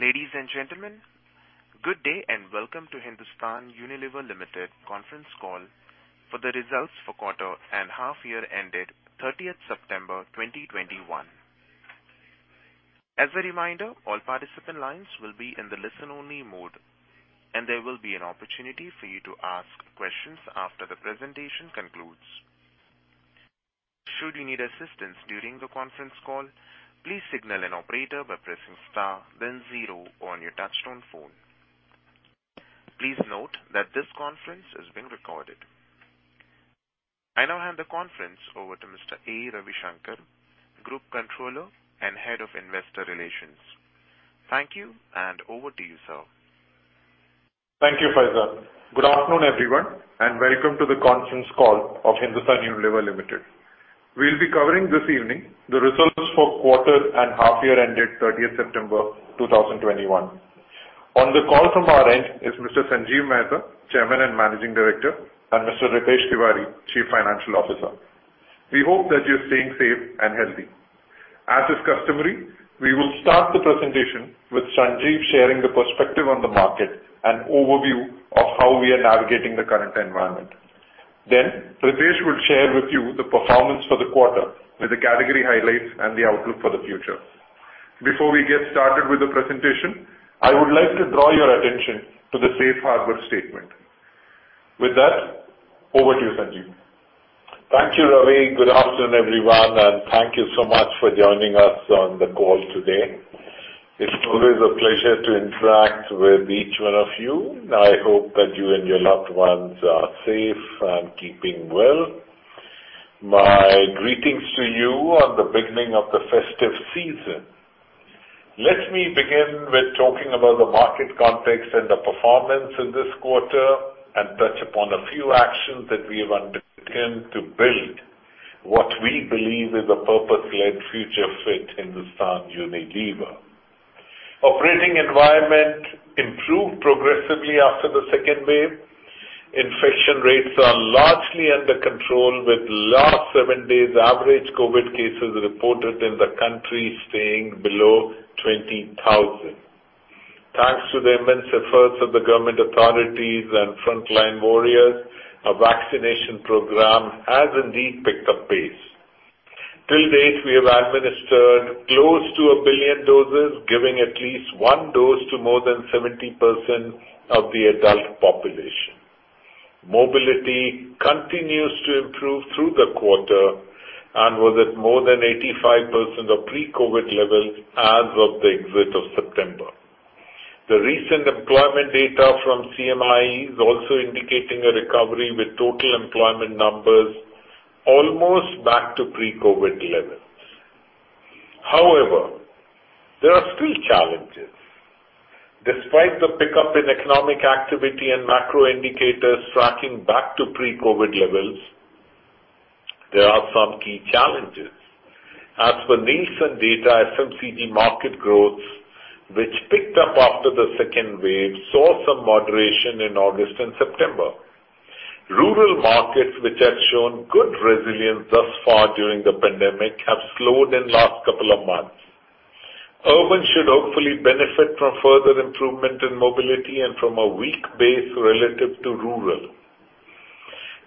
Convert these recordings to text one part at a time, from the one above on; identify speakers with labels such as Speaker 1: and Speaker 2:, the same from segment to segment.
Speaker 1: Ladies and gentlemen, good day and welcome to Hindustan Unilever Limited conference call for the results for quarter and half year ended September 30th, 2021. As a reminder, all participant lines will be in the listen only mode, and there will be an opportunity for you to ask questions after the presentation concludes. Should you need assistance during the conference call, please signal an operator by pressing star then zero on your touchtone phone. Please note that this conference is being recorded. I now hand the conference over to Mr. A. Ravishankar, Group Controller and Head of Investor Relations. Thank you, and over to you, sir.
Speaker 2: Thank you, Faizan. Good afternoon, everyone, and welcome to the conference call of Hindustan Unilever Limited. We'll be covering this evening the results for quarter and half year ended 30th September 2021. On the call from our end is Mr. Sanjiv Mehta, Chairman and Managing Director, and Mr. Ritesh Tiwari, Chief Financial Officer. We hope that you're staying safe and healthy. As is customary, we will start the presentation with Sanjiv sharing the perspective on the market and overview of how we are navigating the current environment. Ritesh will share with you the performance for the quarter, with the category highlights and the outlook for the future. Before we get started with the presentation, I would like to draw your attention to the safe harbor statement. With that, over to you, Sanjiv.
Speaker 3: Thank you, Ravishankar. Good afternoon, everyone. Thank you so much for joining us on the call today. It's always a pleasure to interact with each one of you. I hope that you and your loved ones are safe and keeping well. My greetings to you on the beginning of the festive season. Let me begin with talking about the market context and the performance in this quarter and touch upon a few actions that we have undertaken to build what we believe is a purpose-led future fit Hindustan Unilever. Operating environment improved progressively after the second wave. Infection rates are largely under control, with last seven days average COVID cases reported in the country staying below 20,000. Thanks to the immense efforts of the government authorities and frontline warriors, our vaccination program has indeed picked up pace. Till date, we have administered close to a billion doses, giving at least one dose to more than 70% of the adult population. Mobility continues to improve through the quarter and was at more than 85% of pre-COVID levels as of the exit of September. The recent employment data from CMIE is also indicating a recovery with total employment numbers almost back to pre-COVID levels. However, there are still challenges. Despite the pickup in economic activity and macro indicators tracking back to pre-COVID levels, there are some key challenges. As per Nielsen data, FMCG market growth, which picked up after the second wave, saw some moderation in August and September. Rural markets, which had shown good resilience thus far during the pandemic, have slowed in last couple of months. Urban should hopefully benefit from further improvement in mobility and from a weak base relative to rural.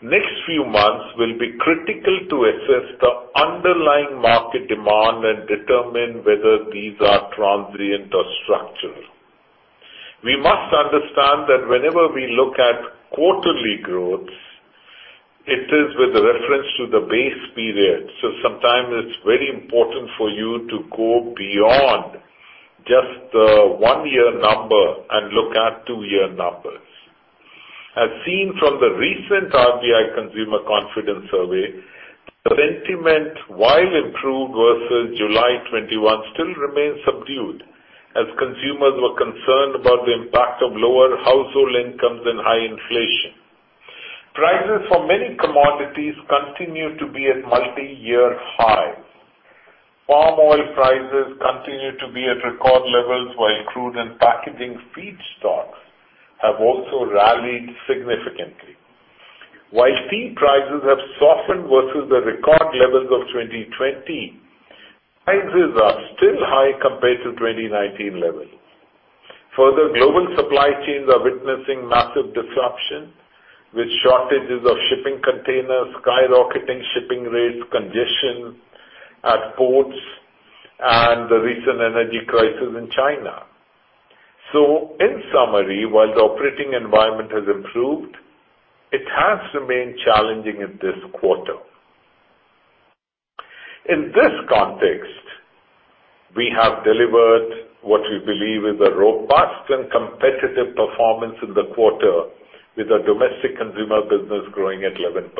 Speaker 3: Next few months will be critical to assess the underlying market demand and determine whether these are transient or structural. We must understand that whenever we look at quarterly growth, it is with reference to the base period. Sometimes it is very important for you to go beyond just the one-year number and look at two-year numbers. As seen from the recent RBI Consumer Confidence Survey, sentiment, while improved versus July 2021, still remains subdued as consumers were concerned about the impact of lower household incomes and high inflation. Prices for many commodities continue to be at multi-year highs. Palm oil prices continue to be at record levels, while crude and packaging feedstocks have also rallied significantly. While tea prices have softened versus the record levels of 2020, prices are still high compared to 2019 levels. Further, global supply chains are witnessing massive disruption, with shortages of shipping containers, skyrocketing shipping rates, congestion at ports, and the recent energy crisis in China. In summary, while the operating environment has improved, it has remained challenging in this quarter. In this context, we have delivered what we believe is a robust and competitive performance in the quarter, with our domestic consumer business growing at 11%.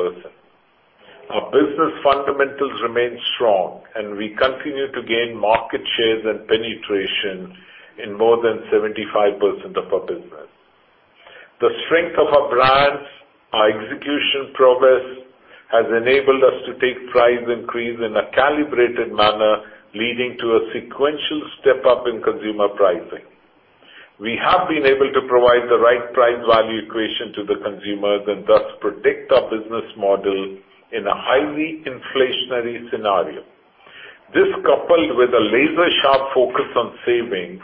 Speaker 3: Our business fundamentals remain strong, and we continue to gain market shares and penetration in more than 75% of our business. The strength of our brands, our execution progress, has enabled us to take price increase in a calibrated manner, leading to a sequential step-up in consumer pricing. We have been able to provide the right price value equation to the consumers, and thus protect our business model in a highly inflationary scenario. This, coupled with a laser-sharp focus on savings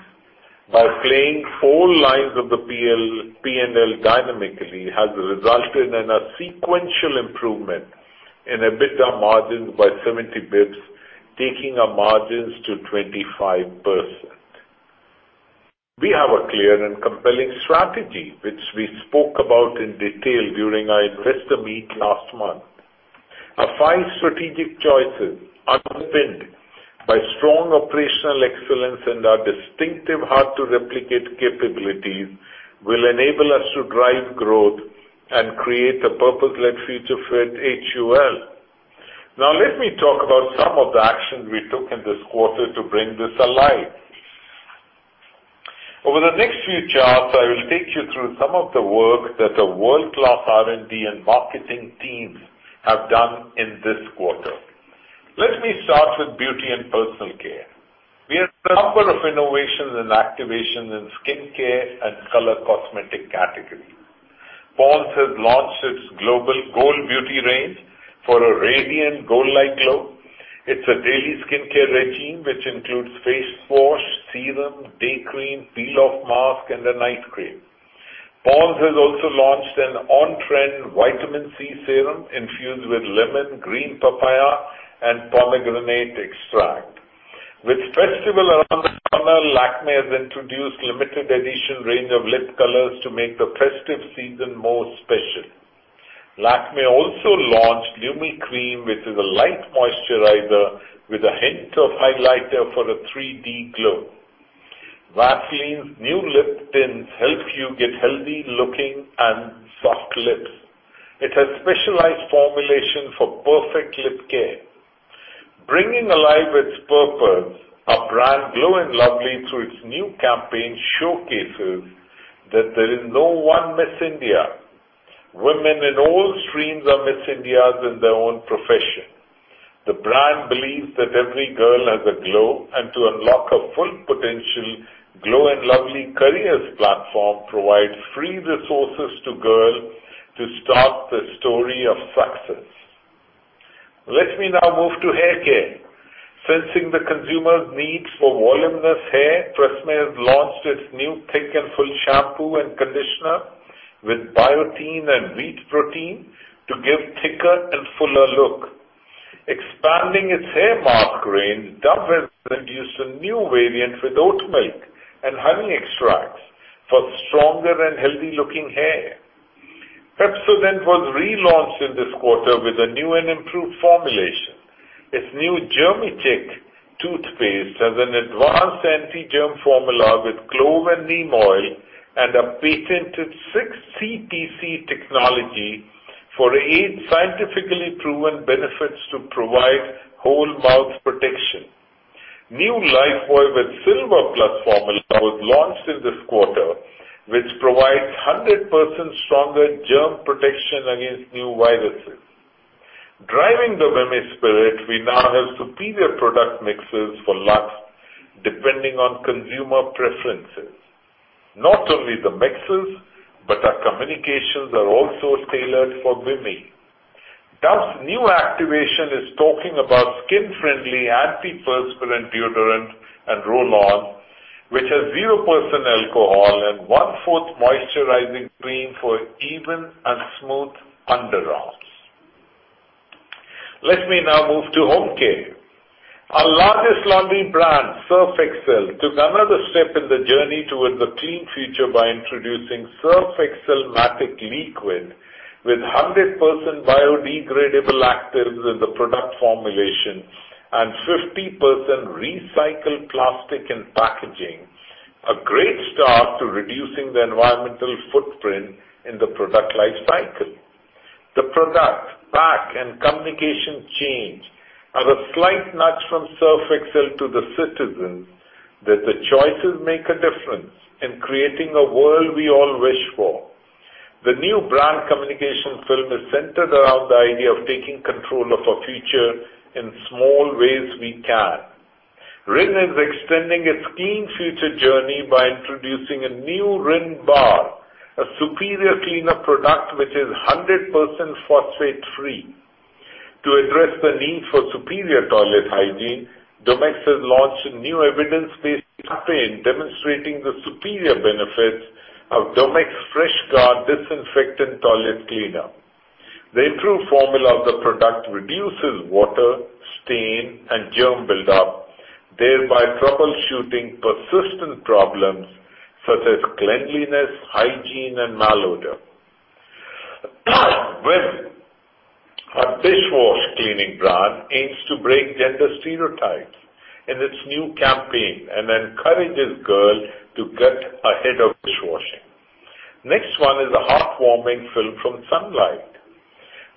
Speaker 3: by playing four lines of the P&L dynamically, has resulted in a sequential improvement in EBITDA margins by 70 basis points, taking our margins to 25%. We have a clear and compelling strategy, which we spoke about in detail during our investor meet last month. Our five strategic choices are underpinned by strong operational excellence, and our distinctive, hard-to-replicate capabilities will enable us to drive growth and create a purpose-led future for HUL. Let me talk about some of the actions we took in this quarter to bring this alive. Over the next few charts, I will take you through some of the work that our world-class R&D and marketing teams have done in this quarter. Let me start with beauty and personal care. We had a couple of innovations and activations in skincare and color cosmetic category. Pond's has launched its global Gold Beauty range for a radiant gold-like glow. It's a daily skincare regime which includes face wash, serum, day cream, peel-off mask, and a night cream. Pond's has also launched an on-trend vitamin C serum infused with lemon, green papaya, and pomegranate extract. With festival around the corner, Lakmé has introduced limited edition range of lip colors to make the festive season more special. Lakmé also launched Lumi Lit Cream, which is a light moisturizer with a hint of highlighter for a 3D glow. Vaseline's new lip tints help you get healthy-looking and soft lips. It has specialized formulation for perfect lip care. Bringing alive its purpose, our brand Glow & Lovely, through its new campaign, showcases that there is no one Miss India. Women in all streams are Miss Indias in their own profession. The brand believes that every girl has a glow, and to unlock her full potential, Glow & Lovely Careers platform provides free resources to girls to start their story of success. Let me now move to hair care. Sensing the consumer's needs for voluminous hair, TRESemmé has launched its new Thick & Full shampoo and conditioner with biotin and wheat protein to give thicker and fuller look. Expanding its hair mask range, Dove has introduced a new variant with oat milk and honey extracts for stronger and healthy-looking hair. Pepsodent was relaunched in this quarter with a new and improved formulation. Its new GermiCheck toothpaste has an advanced anti-germ formula with clove and neem oil, and a patented CPC technology for eight scientifically proven benefits to provide whole mouth protection. New Lifebuoy with Activ Silver+ formula was launched in this quarter, which provides 100% stronger germ protection against new viruses. Driving the WIMI strategy, we now have superior product mixes for Lux, depending on consumer preferences. Not only the mixes, but our communications are also tailored for women. Dove's new activation is talking about skin-friendly antiperspirant deodorant and roll-on, which has 0% alcohol and one-fourth moisturizing cream for even and smooth underarms. Let me now move to home care. Our largest laundry brand, Surf Excel, took another step in the journey towards a clean future by introducing Surf Excel Matic Liquid, with 100% biodegradable actives in the product formulation and 50% recycled plastic and packaging. A great start to reducing the environmental footprint in the product life cycle. The product, pack, and communication change are a slight nudge from Surf Excel to the citizens that their choices make a difference in creating a world we all wish for. The new brand communication film is centered around the idea of taking control of our future in small ways we can. Rin is extending its clean future journey by introducing a new Rin bar, a superior cleaner product which is 100% phosphate-free. To address the need for superior toilet hygiene, Domex has launched a new evidence-based campaign demonstrating the superior benefits of Domex Fresh Guard disinfectant toilet cleaner. The improved formula of the product reduces water, stain, and germ buildup, thereby troubleshooting persistent problems such as cleanliness, hygiene, and malodor. Vim, our dishwash cleaning brand, aims to break gender stereotypes in its new campaign and encourages girls to get ahead of dishwashing. Next one is a heartwarming film from Sunlight.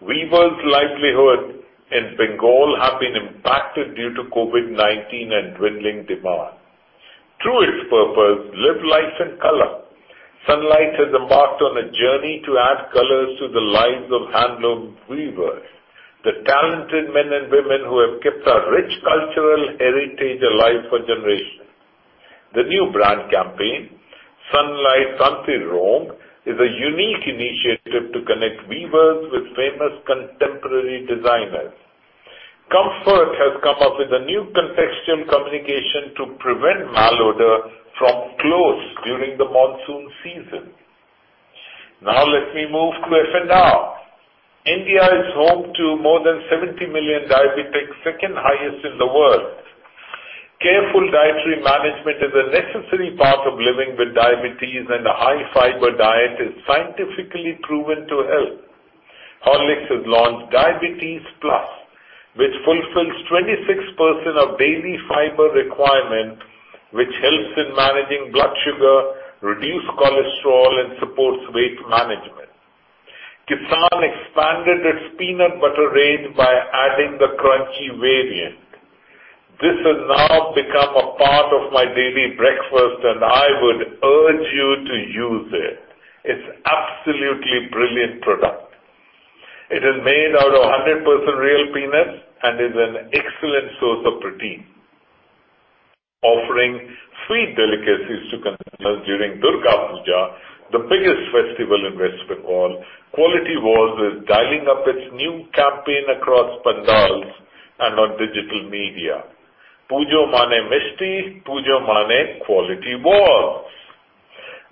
Speaker 3: Weavers' livelihood in Bengal have been impacted due to COVID-19 and dwindling demand. Through its purpose, Live Life in Color Sunlight has embarked on a journey to add colors to the lives of handloom weavers, the talented men and women who have kept our rich cultural heritage alive for generations. The new brand campaign, Sunlight Tantir Rong, is a unique initiative to connect weavers with famous contemporary designers. Comfort has come up with a new contextual communication to prevent malodor from clothes during the monsoon season. Now let me move to F&R. India is home to more than 70 million diabetics, second highest in the world. Careful dietary management is a necessary part of living with diabetes, and a high-fiber diet is scientifically proven to help. Horlicks has launched Diabetes Plus, which fulfills 26% of daily fiber requirement, which helps in managing blood sugar, reduce cholesterol and supports weight management. Kissan expanded its peanut butter range by adding the crunchy variant. This has now become a part of my daily breakfast, and I would urge you to use it. It's absolutely brilliant product. It is made out of 100% real peanuts and is an excellent source of protein. Offering sweet delicacies to consumers during Durga Puja, the biggest festival in West Bengal. Kwality Wall's is dialing up its new campaign across pandals and on digital media. Pujo Mane Mishti, Pujo Mane Kwality Wall's.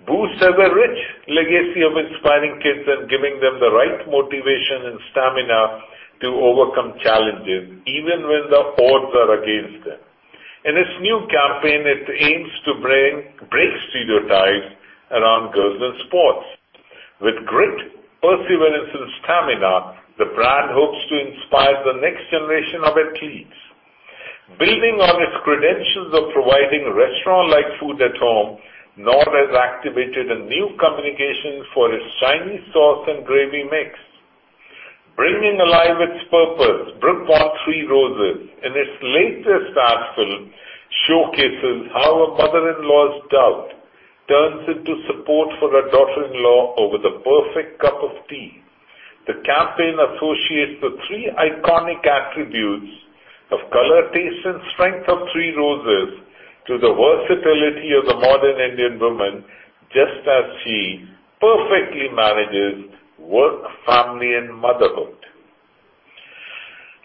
Speaker 3: Boost has a rich legacy of inspiring kids and giving them the right motivation and stamina to overcome challenges even when the odds are against them. In its new campaign, it aims to break stereotypes around girls and sports. With grit, perseverance and stamina, the brand hopes to inspire the next generation of athletes. Building on its credentials of providing restaurant-like food at home, Knorr has activated a new communication for its Chinese sauce and gravy mix. Bringing alive its purpose, Brooke Bond 3 Roses, in its latest ad film, showcases how a mother-in-law's doubt turns into support for her daughter-in-law over the perfect cup of tea. The campaign associates the three iconic attributes of color, taste and strength of 3 Roses to the versatility of the modern Indian woman, just as she perfectly manages work, family, and motherhood.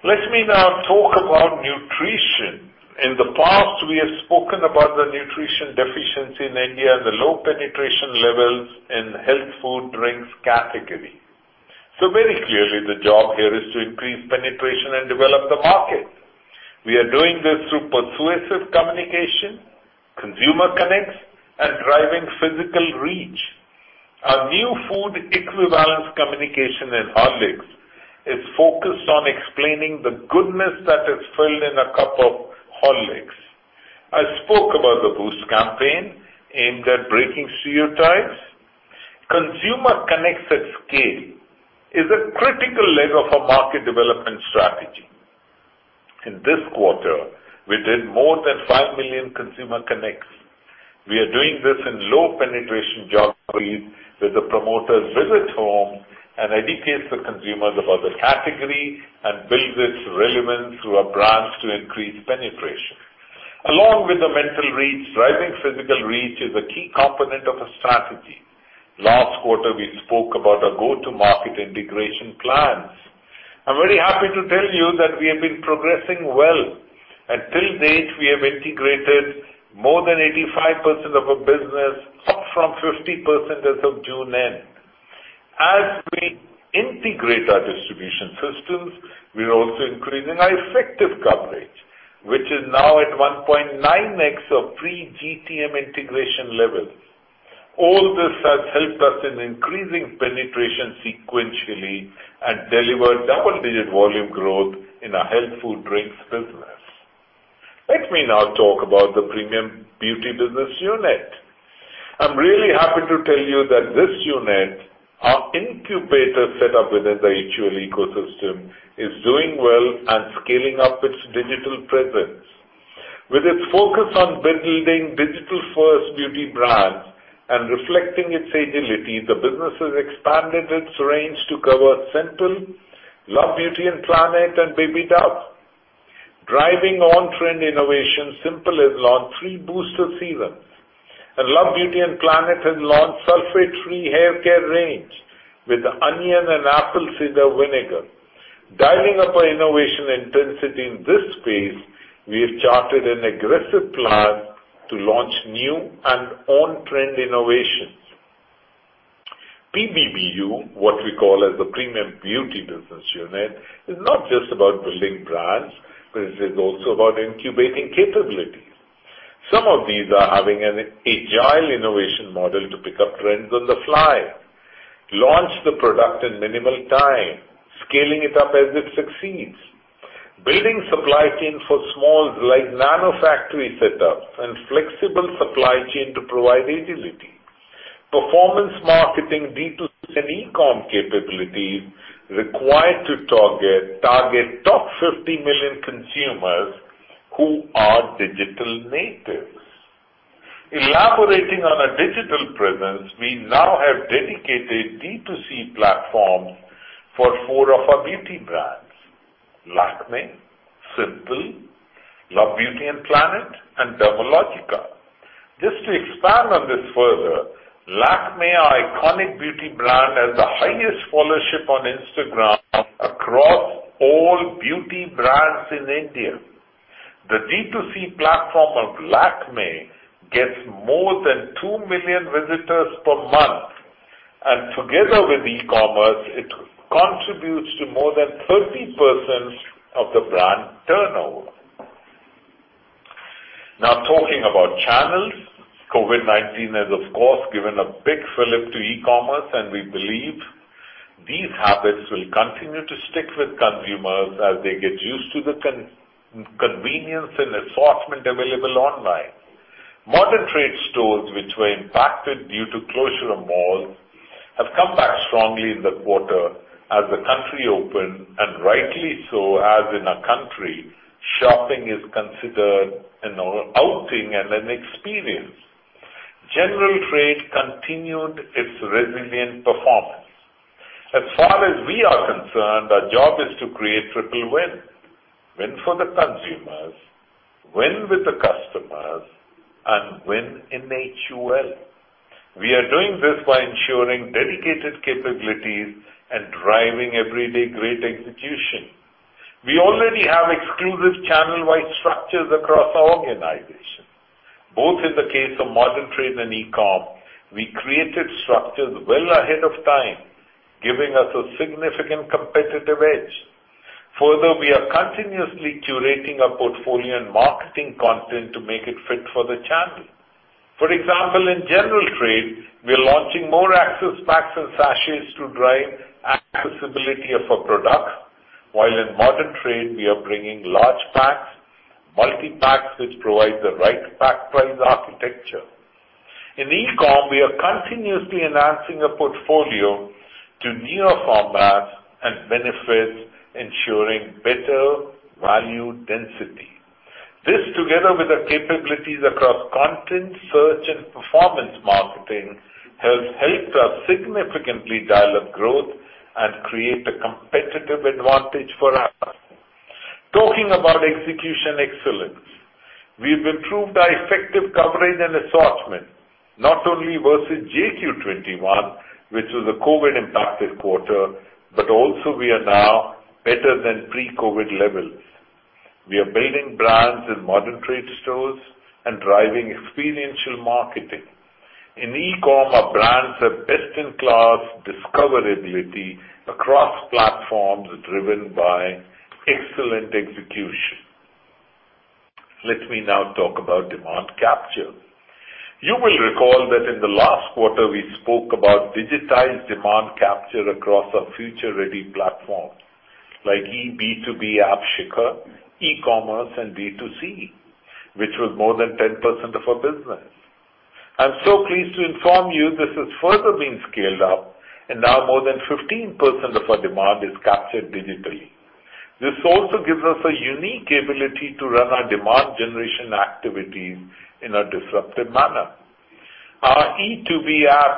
Speaker 3: Let me now talk about nutrition. In the past, we have spoken about the nutrition deficiency in India and the low penetration levels in health food drinks category. Very clearly, the job here is to increase penetration and develop the market. We are doing this through persuasive communication, consumer connects, and driving physical reach. Our new food equivalence communication in Horlicks is focused on explaining the goodness that is filled in a cup of Horlicks. I spoke about the Boost campaign aimed at breaking stereotypes. Consumer connects at scale is a critical leg of our market development strategy. In this quarter, we did more than five million consumer connects. We are doing this in low penetration geographies where the promoters visit home and educate the consumers about the category and build its relevance through our brands to increase penetration. Along with the mental reach, driving physical reach is a key component of our strategy. Last quarter, we spoke about our go-to-market integration plans. I'm very happy to tell you that we have been progressing well, and till date, we have integrated more than 85% of our business, up from 50% as of June end. As we integrate our distribution systems, we are also increasing our effective coverage, which is now at 1.9x of pre-GTM integration levels. All this has helped us in increasing penetration sequentially and deliver double-digit volume growth in our health food drinks business. Let me now talk about the Premium Beauty Business Unit. I am really happy to tell you that this unit, our incubator set up within the HUL ecosystem, is doing well and scaling up its digital presence. With its focus on building digital-first beauty brands and reflecting its agility, the business has expanded its range to cover Simple, Love Beauty and Planet, and Baby Dove. Driving on-trend innovation, Simple has launched three booster serums, and Love Beauty and Planet has launched sulfate-free haircare range with onion and apple cider vinegar. Dialing up our innovation intensity in this space, we have charted an aggressive plan to launch new and on-trend innovations. PBBU, what we call as the Premium Beauty Business Unit, is not just about building brands, but it is also about incubating capabilities. Some of these are having an agile innovation model to pick up trends on the fly, launch the product in minimal time, scaling it up as it succeeds. Building supply chain for small, like nano factory setups and flexible supply chain to provide agility. Performance marketing, D2C, and e-com capabilities required to target top 50 million consumers who are digital natives. Elaborating on a digital presence, we now have dedicated D2C platforms for four of our beauty brands, Lakmé, Simple, Love Beauty and Planet, and Dermalogica. Just to expand on this further, Lakmé, our iconic beauty brand, has the highest followership on Instagram across all beauty brands in India. The D2C platform of Lakmé gets more than two million visitors per month, and together with e-commerce, it contributes to more than 30% of the brand turnover. Now talking about channels, COVID-19 has, of course, given a big fillip to e-commerce, and we believe these habits will continue to stick with consumers as they get used to the convenience and assortment available online. Modern trade stores, which were impacted due to closure of malls, have come back strongly in the quarter as the country opened, and rightly so, as in our country, shopping is considered an outing and an experience. General trade continued its resilient performance. As far as we are concerned, our job is to create triple win. Win for the consumers, win with the customers, and win in HUL. We are doing this by ensuring dedicated capabilities and driving everyday great execution. We already have exclusive channel-wide structures across our organization. Both in the case of modern trade and e-com, we created structures well ahead of time, giving us a significant competitive edge. Further, we are continuously curating our portfolio and marketing content to make it fit for the channel. For example, in general trade, we're launching more access packs and sachets to drive accessibility of our products, while in modern trade we are bringing large packs, multi-packs which provide the right pack price architecture. In e-com, we are continuously enhancing our portfolio to newer formats and benefits, ensuring better value density. This, together with our capabilities across content, search, and performance marketing, has helped us significantly dial up growth and create a competitive advantage for us. Talking about execution excellence, we've improved our effective coverage and assortment, not only versus Q2 2021, which was a COVID-impacted quarter, but also we are now better than pre-COVID levels. We are building brands in modern trade stores and driving experiential marketing. In e-com, our brands have best-in-class discoverability across platforms driven by excellent execution. Let me now talk about demand capture. You will recall that in the last quarter, we spoke about digitized demand capture across our future-ready platforms like eB2B app Shikhar, e-commerce, and D2C, which was more than 10% of our business. I'm so pleased to inform you this has further been scaled up. Now more than 15% of our demand is captured digitally. This also gives us a unique ability to run our demand generation activities in a disruptive manner. Our eB2B app,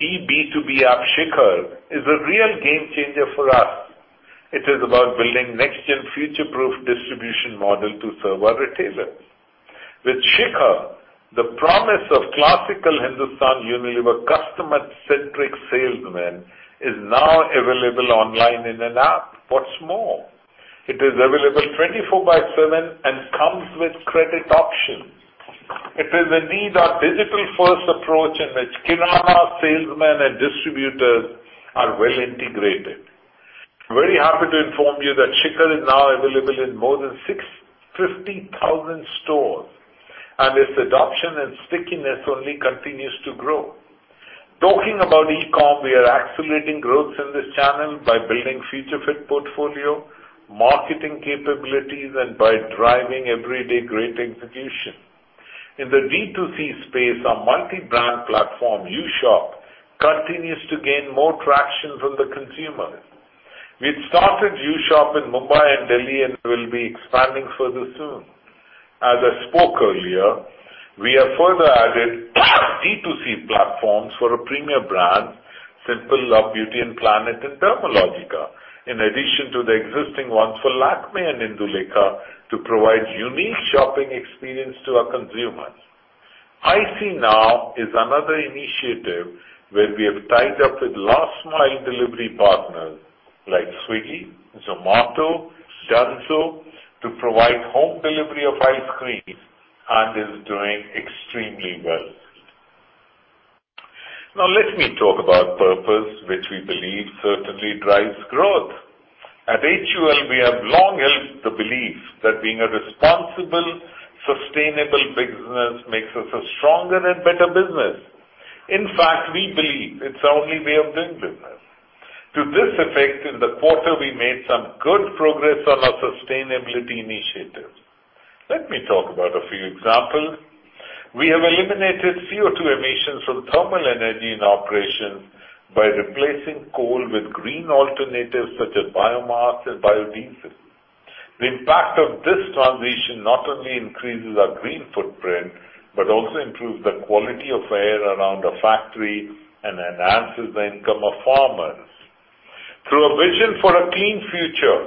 Speaker 3: Shikhar, is a real game changer for us. It is about building next-gen future-proof distribution model to serve our retailers. With Shikhar, the promise of classical Hindustan Unilever customer-centric salesman is now available online in an app. It is available 24/7 and comes with credit option. It is indeed our digital-first approach in which kirana salesmen and distributors are well integrated. Very happy to inform you that Shikhar is now available in more than 650,000 stores, and its adoption and stickiness only continues to grow. Talking about e-com, we are accelerating growth in this channel by building future-fit portfolio, marketing capabilities, and by driving everyday great execution. In the D2C space, our multi-brand platform, UShop, continues to gain more traction from the consumers. We've started UShop in Mumbai and Delhi, and will be expanding further soon. As I spoke earlier, we have further added D2C platforms for our premier brands, Simple, Love Beauty and Planet, and Dermalogica, in addition to the existing ones for Lakmé and Indulekha, to provide unique shopping experience to our consumers. ICNow is another initiative where we have tied up with last mile delivery partners like Swiggy, Zomato, Dunzo to provide home delivery of ice cream, and is doing extremely well. Now let me talk about purpose, which we believe certainly drives growth. At HUL, we have long held the belief that being a responsible, sustainable business makes us a stronger and better business. In fact, we believe it's the only way of doing business. To this effect, in the quarter, we made some good progress on our sustainability initiatives. Let me talk about a few examples. We have eliminated CO2 emissions from thermal energy in operations by replacing coal with green alternatives such as biomass and biodiesel. The impact of this transition not only increases our green footprint but also improves the quality of air around our factory and enhances the income of farmers. Through a vision for a clean future,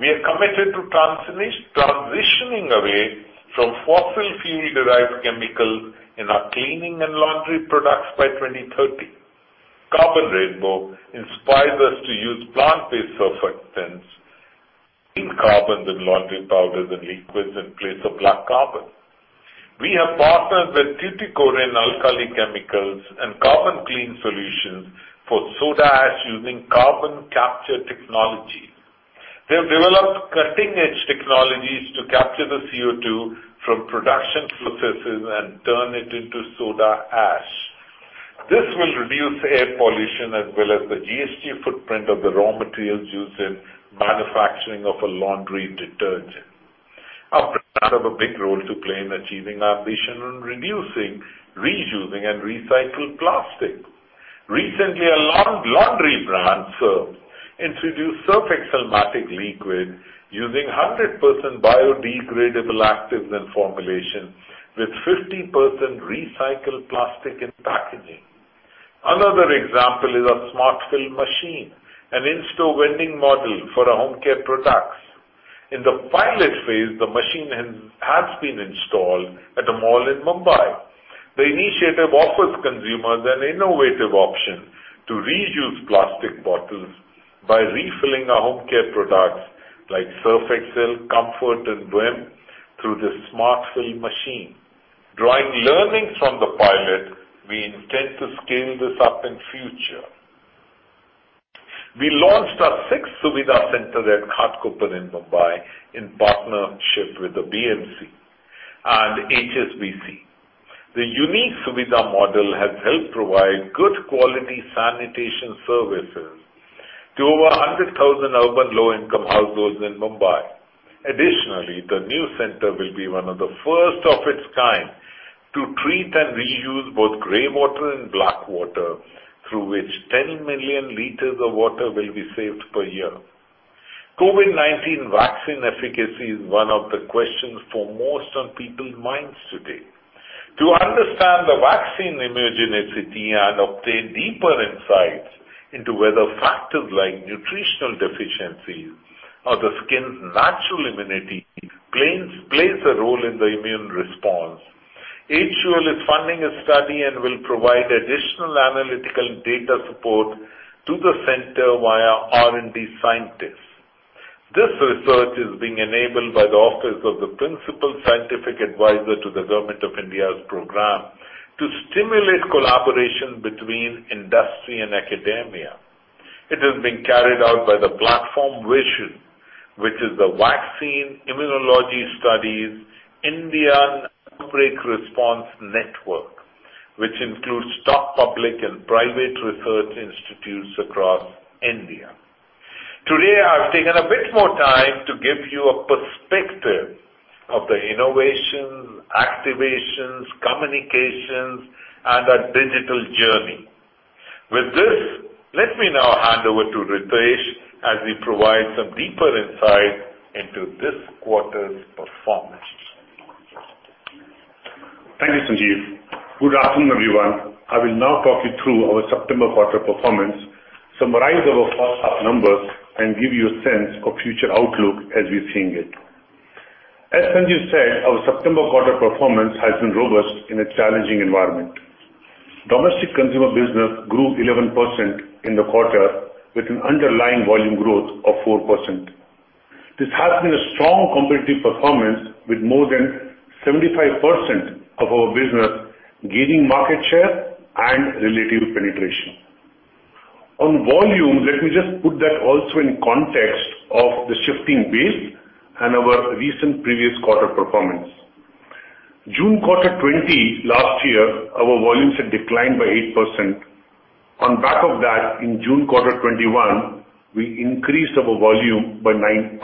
Speaker 3: we are committed to transitioning away from fossil fuel-derived chemicals in our cleaning and laundry products by 2030. Carbon Rainbow inspires us to use plant-based surfactants, clean carbons in laundry powders and liquids in place of black carbon. We have partnered with Tuticorin Alkali Chemicals and Carbon Clean Solutions for soda ash using carbon capture technology. They have developed cutting-edge technologies to capture the CO2 from production processes and turn it into soda ash. This will reduce air pollution as well as the GHG footprint of the raw materials used in manufacturing of a laundry detergent. Our brands have a big role to play in achieving our ambition on reducing, reusing, and recycled plastic. Recently, a laundry brand, Surf, introduced Surf Excel Matic Liquid using 100% biodegradable actives and formulation with 50% recycled plastic in packaging. Another example is our Smart Fill machine, an in-store vending model for our home care products. In the pilot phase, the machine has been installed at a mall in Mumbai. The initiative offers consumers an innovative option to reuse plastic bottles by refilling our home care products like Surf Excel, Comfort, and Vim through the Smart Fill machine. Drawing learnings from the pilot, we intend to scale this up in future. We launched our sixth Suvidha center at Ghatkopar in Mumbai in partnership with the BMC and HSBC. The unique Suvidha model has helped provide good quality sanitation services to over 100,000 urban low-income households in Mumbai. The new center will be one of the first of its kind to treat and reuse both grey water and black water, through which 10 million liters of water will be saved per year. COVID-19 vaccine efficacy is one of the questions for most on people's minds today. To understand the vaccine immunogenicity and obtain deeper insights into whether factors like nutritional deficiencies or the skin's natural immunity plays a role in the immune response, HUL is funding a study and will provide additional analytical data support to the center via R&D scientists. This research is being enabled by the Office of the Principal Scientific Adviser to the Government of India's program to stimulate collaboration between industry and academia. It is being carried out by the platform VISION, which is the Vaccine Immunology Studies India Outbreak Response Network, which includes top public and private research institutes across India. Today, I've taken a bit more time to give you a perspective of the innovations, activations, communications, and our digital journey. With this, let me now hand over to Ritesh as he provides some deeper insight into this quarter's performance.
Speaker 4: Thank you, Sanjiv. Good afternoon, everyone. I will now talk you through our September quarter performance, summarize our first half numbers, and give you a sense of future outlook as we're seeing it. As Sanjiv said, our September quarter performance has been robust in a challenging environment. Domestic consumer business grew 11% in the quarter with an underlying volume growth of 4%. This has been a strong competitive performance with more than 75% of our business gaining market share and relative penetration. On volume, let me just put that also in context of the shifting base and our recent previous quarter performance. June quarter 2020 last year, our volumes had declined by 8%. On back of that, in June quarter 2021, we increased our volume by 9%.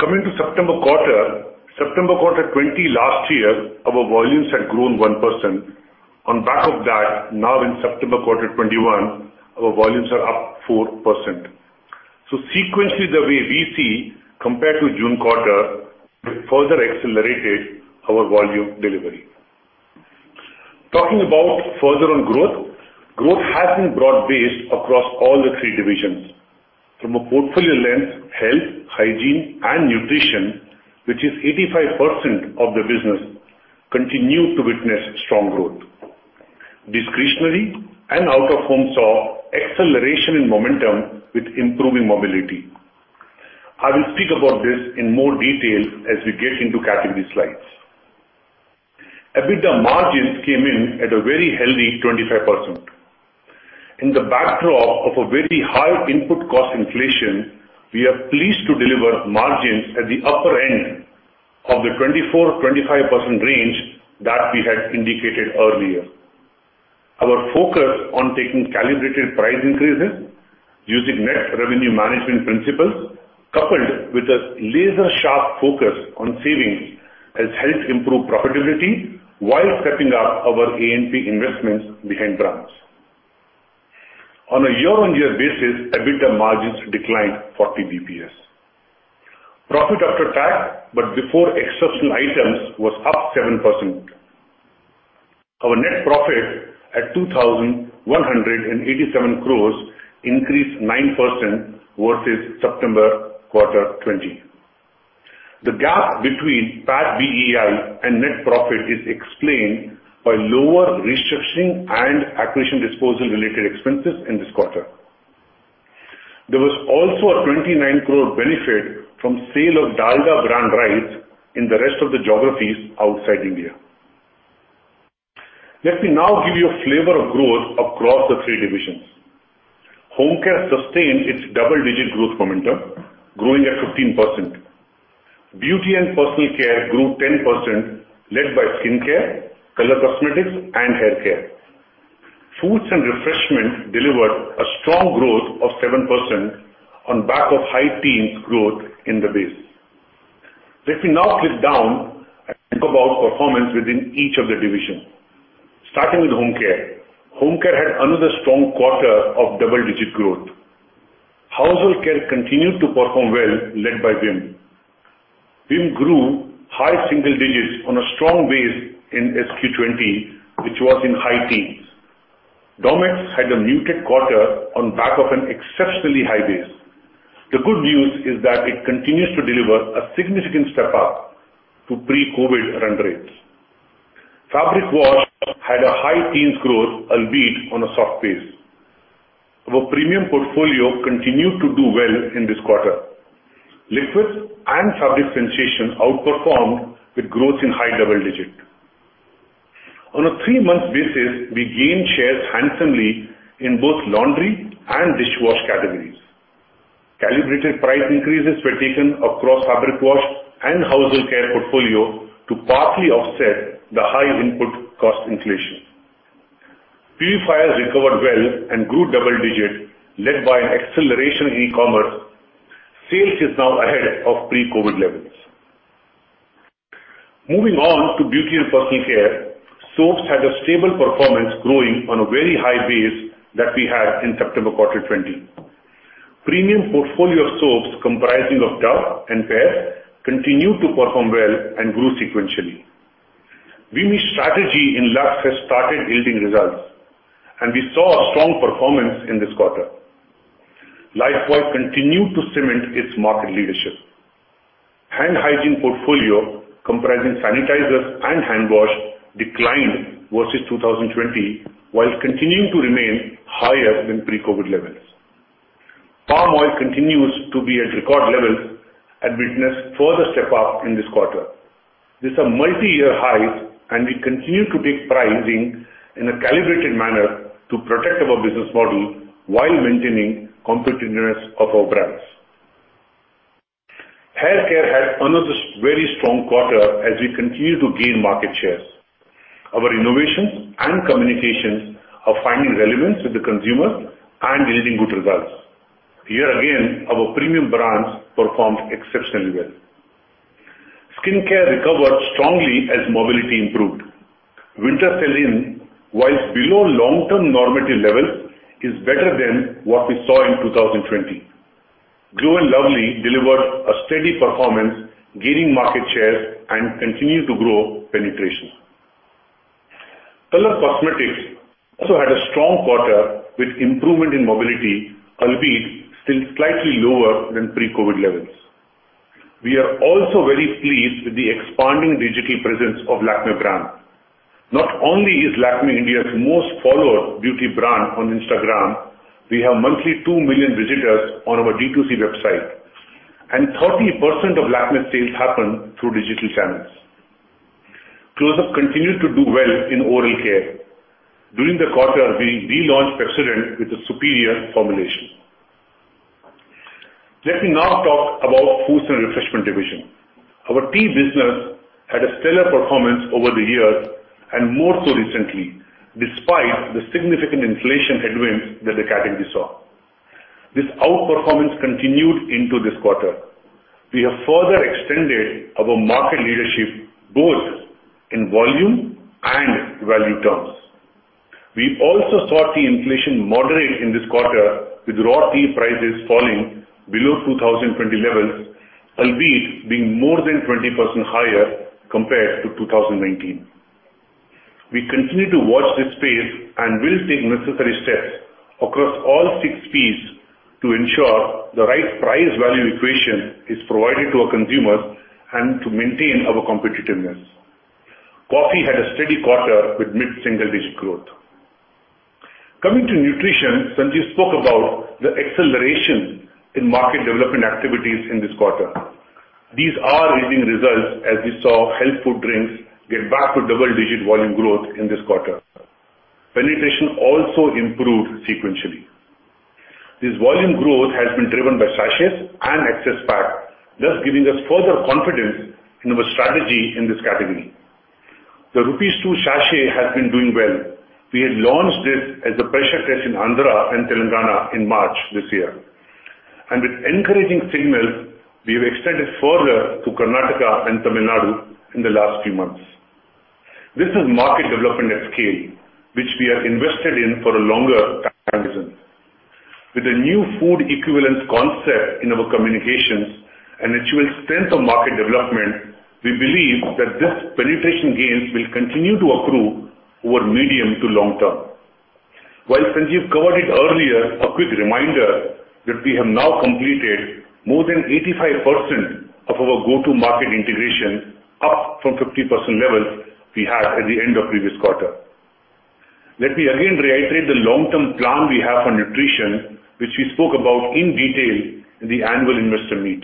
Speaker 4: Coming to September quarter. September quarter 2020 last year, our volumes had grown 1%. On back of that, now in September quarter 2021, our volumes are up 4%. Sequentially, the way we see compared to June quarter, we further accelerated our volume delivery. Talking about further on growth has been broad-based across all the three divisions. From a portfolio lens, health, hygiene, and nutrition, which is 85% of the business, continue to witness strong growth. Discretionary and out-of-home saw acceleration in momentum with improving mobility. I will speak about this in more detail as we get into category slides. EBITDA margins came in at a very healthy 25%. In the backdrop of a very high input cost inflation, we are pleased to deliver margins at the upper end of the 24% or 25% range that we had indicated earlier. Our focus on taking calibrated price increases using net revenue management principles, coupled with a laser-sharp focus on savings, has helped improve profitability while stepping up our ANP investments behind brands. On a year-on-year basis, EBITDA margins declined 40 basis points. Profit After Tax Before Exceptional Items was up 7%. Our net profit at 2,187 crores increased 9% versus September quarter 2020. The gap between PAT BEI and net profit is explained by lower restructuring and acquisition disposal related expenses in this quarter. There was also an 29 crore benefit from sale of Dalda brand rights in the rest of the geographies outside India. Let me now give you a flavor of growth across the three divisions. Home Care sustained its double-digit growth momentum, growing at 15%. Beauty and Personal Care grew 10%, led by skincare, color cosmetics, and haircare. Foods and Refreshment delivered a strong growth of 7% on back of high teens growth in the base. Let me now flip down and think about performance within each of the divisions. Starting with Home Care. Home Care had another strong quarter of double-digit growth. Household care continued to perform well, led by Vim. Vim grew high single digits on a strong base in SQ 2020, which was in high teens. Domex had a muted quarter on back of an exceptionally high base. The good news is that it continues to deliver a significant step up to pre-COVID run rates. Fabric wash had a high teens growth, albeit on a soft base. Our premium portfolio continued to do well in this quarter. Liquids and fabric wash outperformed with growth in high double digits. On a three-month basis, we gained shares handsomely in both laundry and dishwash categories. Calibrated price increases were taken across fabric wash and household care portfolio to partly offset the high input cost inflation. Purifiers recovered well and grew double digits led by an acceleration in e-commerce. Sales is now ahead of pre-COVID-19 levels. Moving on to beauty and personal care, soaps had a stable performance growing on a very high base that we had in September quarter 2020. Premium portfolio of soaps comprising of Dove and Glow & Lovely continued to perform well and grew sequentially. WIMI strategy in Lux has started yielding results, and we saw a strong performance in this quarter. Lifebuoy continued to cement its market leadership. Hand hygiene portfolio, comprising sanitizers and hand wash, declined versus 2020 while continuing to remain higher than pre-COVID-19 levels. Palm oil continues to be at record levels and witnessed further step-up in this quarter. These are multi-year highs. We continue to take pricing in a calibrated manner to protect our business model while maintaining competitiveness of our brands. Haircare had another very strong quarter as we continue to gain market shares. Our innovations and communications are finding relevance with the consumer and yielding good results. Here again, our premium brands performed exceptionally well. Skincare recovered strongly as mobility improved. Winter sell-in, whilst below long-term normative levels, is better than what we saw in 2020. Glow & Lovely delivered a steady performance, gaining market shares, and continued to grow penetration. Color cosmetics also had a strong quarter with improvement in mobility, albeit still slightly lower than pre-COVID levels. We are also very pleased with the expanding digital presence of Lakmé brand. Not only is Lakmé India's most followed beauty brand on Instagram, we have monthly two million visitors on our D2C website, and 30% of Lakmé sales happen through digital channels. Closeup continued to do well in oral care. During the quarter, we relaunched Pepsodent with a superior formulation. Let me now talk about foods and refreshment division. Our tea business had a stellar performance over the years, and more so recently, despite the significant inflation headwinds that the category saw. This outperformance continued into this quarter. We have further extended our market leadership both in volume and value terms. We also saw tea inflation moderate in this quarter with raw tea prices falling below 2020 levels, albeit being more than 20% higher compared to 2019. We continue to watch this space and will take necessary steps across all 6 Ps to ensure the right price-value equation is provided to our consumers and to maintain our competitiveness. Coffee had a steady quarter with mid-single-digit growth. Coming to nutrition, Sanjiv spoke about the acceleration in market development activities in this quarter. These are yielding results as we saw health food drinks get back to double-digit volume growth in this quarter. Penetration also improved sequentially. This volume growth has been driven by sachets and access pack, thus giving us further confidence in our strategy in this category. The rupees 2 sachet has been doing well. We had launched this as a pressure test in Andhra Pradesh and Telangana in March this year. With encouraging signals, we have extended further to Karnataka and Tamil Nadu in the last few months. This is market development at scale, which we have invested in for a longer time horizon. With a new food equivalent concept in our communications and it shows strength of market development, we believe that this penetration gains will continue to accrue over medium to long term. While Sanjiv covered it earlier, a quick reminder that we have now completed more than 85% of our go-to-market integration up from 50% levels we had at the end of previous quarter. Let me again reiterate the long-term plan we have for nutrition, which we spoke about in detail in the annual investor meet.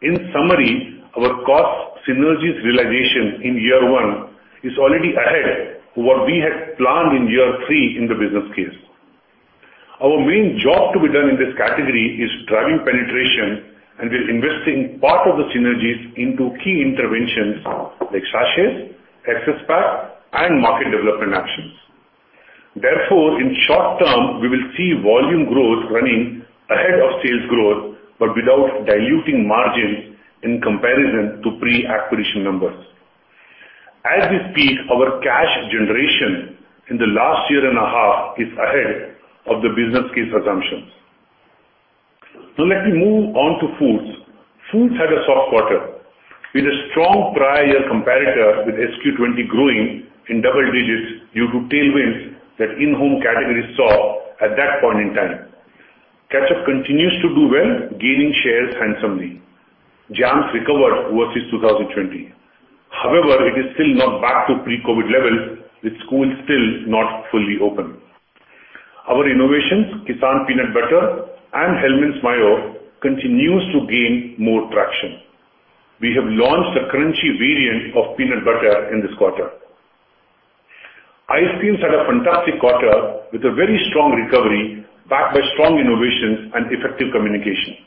Speaker 4: In summary, our cost synergies realization in year one is already ahead of what we had planned in year three in the business case. Our main job to be done in this category is driving penetration, and we're investing part of the synergies into key interventions like sachets, access packs, and market development actions. In short term, we will see volume growth running ahead of sales growth but without diluting margins in comparison to pre-acquisition numbers. As we speak, our cash generation in the last year and a half is ahead of the business case assumptions. Let me move on to foods. Foods had a soft quarter, with a strong prior year comparator, with Q2 2020 growing in double digits due to tailwinds that in-home categories saw at that point in time. Ketchup continues to do well, gaining shares handsomely. Jams recovered versus 2020. It is still not back to pre-COVID-19 levels, with schools still not fully open. Our innovations, Kissan Peanut Butter and Hellmann's Mayo, continues to gain more traction. We have launched a crunchy variant of peanut butter in this quarter. Ice creams had a fantastic quarter with a very strong recovery, backed by strong innovations and effective communication.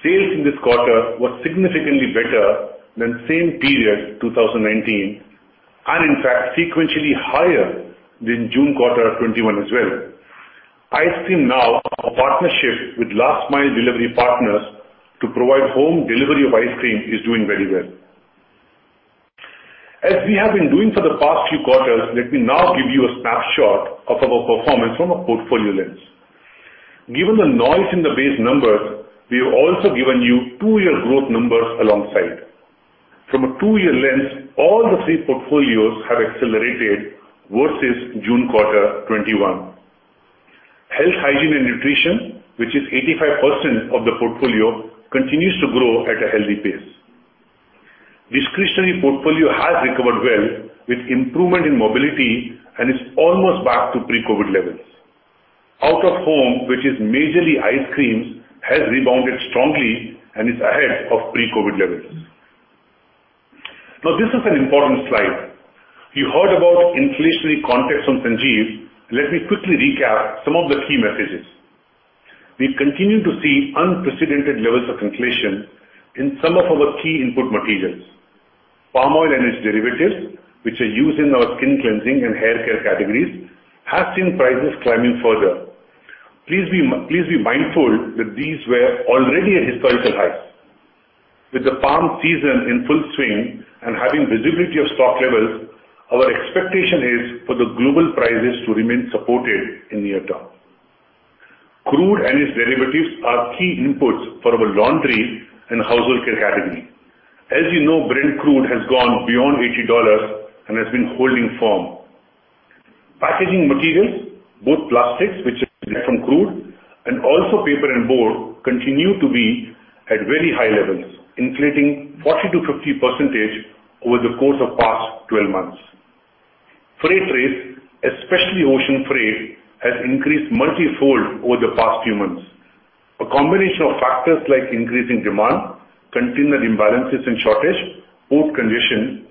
Speaker 4: Sales in this quarter were significantly better than same period 2019 and in fact, sequentially higher than June quarter 2021 as well. Ice cream now, our partnership with Last Mile Delivery partners to provide home delivery of ice cream is doing very well. As we have been doing for the past few quarters, let me now give you a snapshot of our performance from a portfolio lens. Given the noise in the base numbers, we have also given you two-year growth numbers alongside. From a two-year lens, all the three portfolios have accelerated versus June quarter 2021. Health, hygiene, and nutrition, which is 85% of the portfolio, continues to grow at a healthy pace. Discretionary portfolio has recovered well with improvement in mobility and is almost back to pre-COVID-19 levels. Out of home, which is majorly ice cream, has rebounded strongly and is ahead of pre-COVID-19 levels. Now, this is an important slide. You heard about inflationary context from Sanjiv. Let me quickly recap some of the key messages. We continue to see unprecedented levels of inflation in some of our key input materials. Palm oil and its derivatives, which are used in our skin cleansing and hair care categories, have seen prices climbing further. Please be mindful that these were already at historical highs. With the palm season in full swing and having visibility of stock levels, our expectation is for the global prices to remain supported in near term. Crude and its derivatives are key inputs for our laundry and household care category. As you know, Brent crude has gone beyond $80 and has been holding firm. Packaging materials, both plastics, which is made from crude, and also paper and board, continue to be at very high levels, inflating 40%-50% over the course of past 12 months. Freight rates, especially ocean freight, has increased multifold over the past few months. A combination of factors like increasing demand, container imbalances and shortage, port conditions,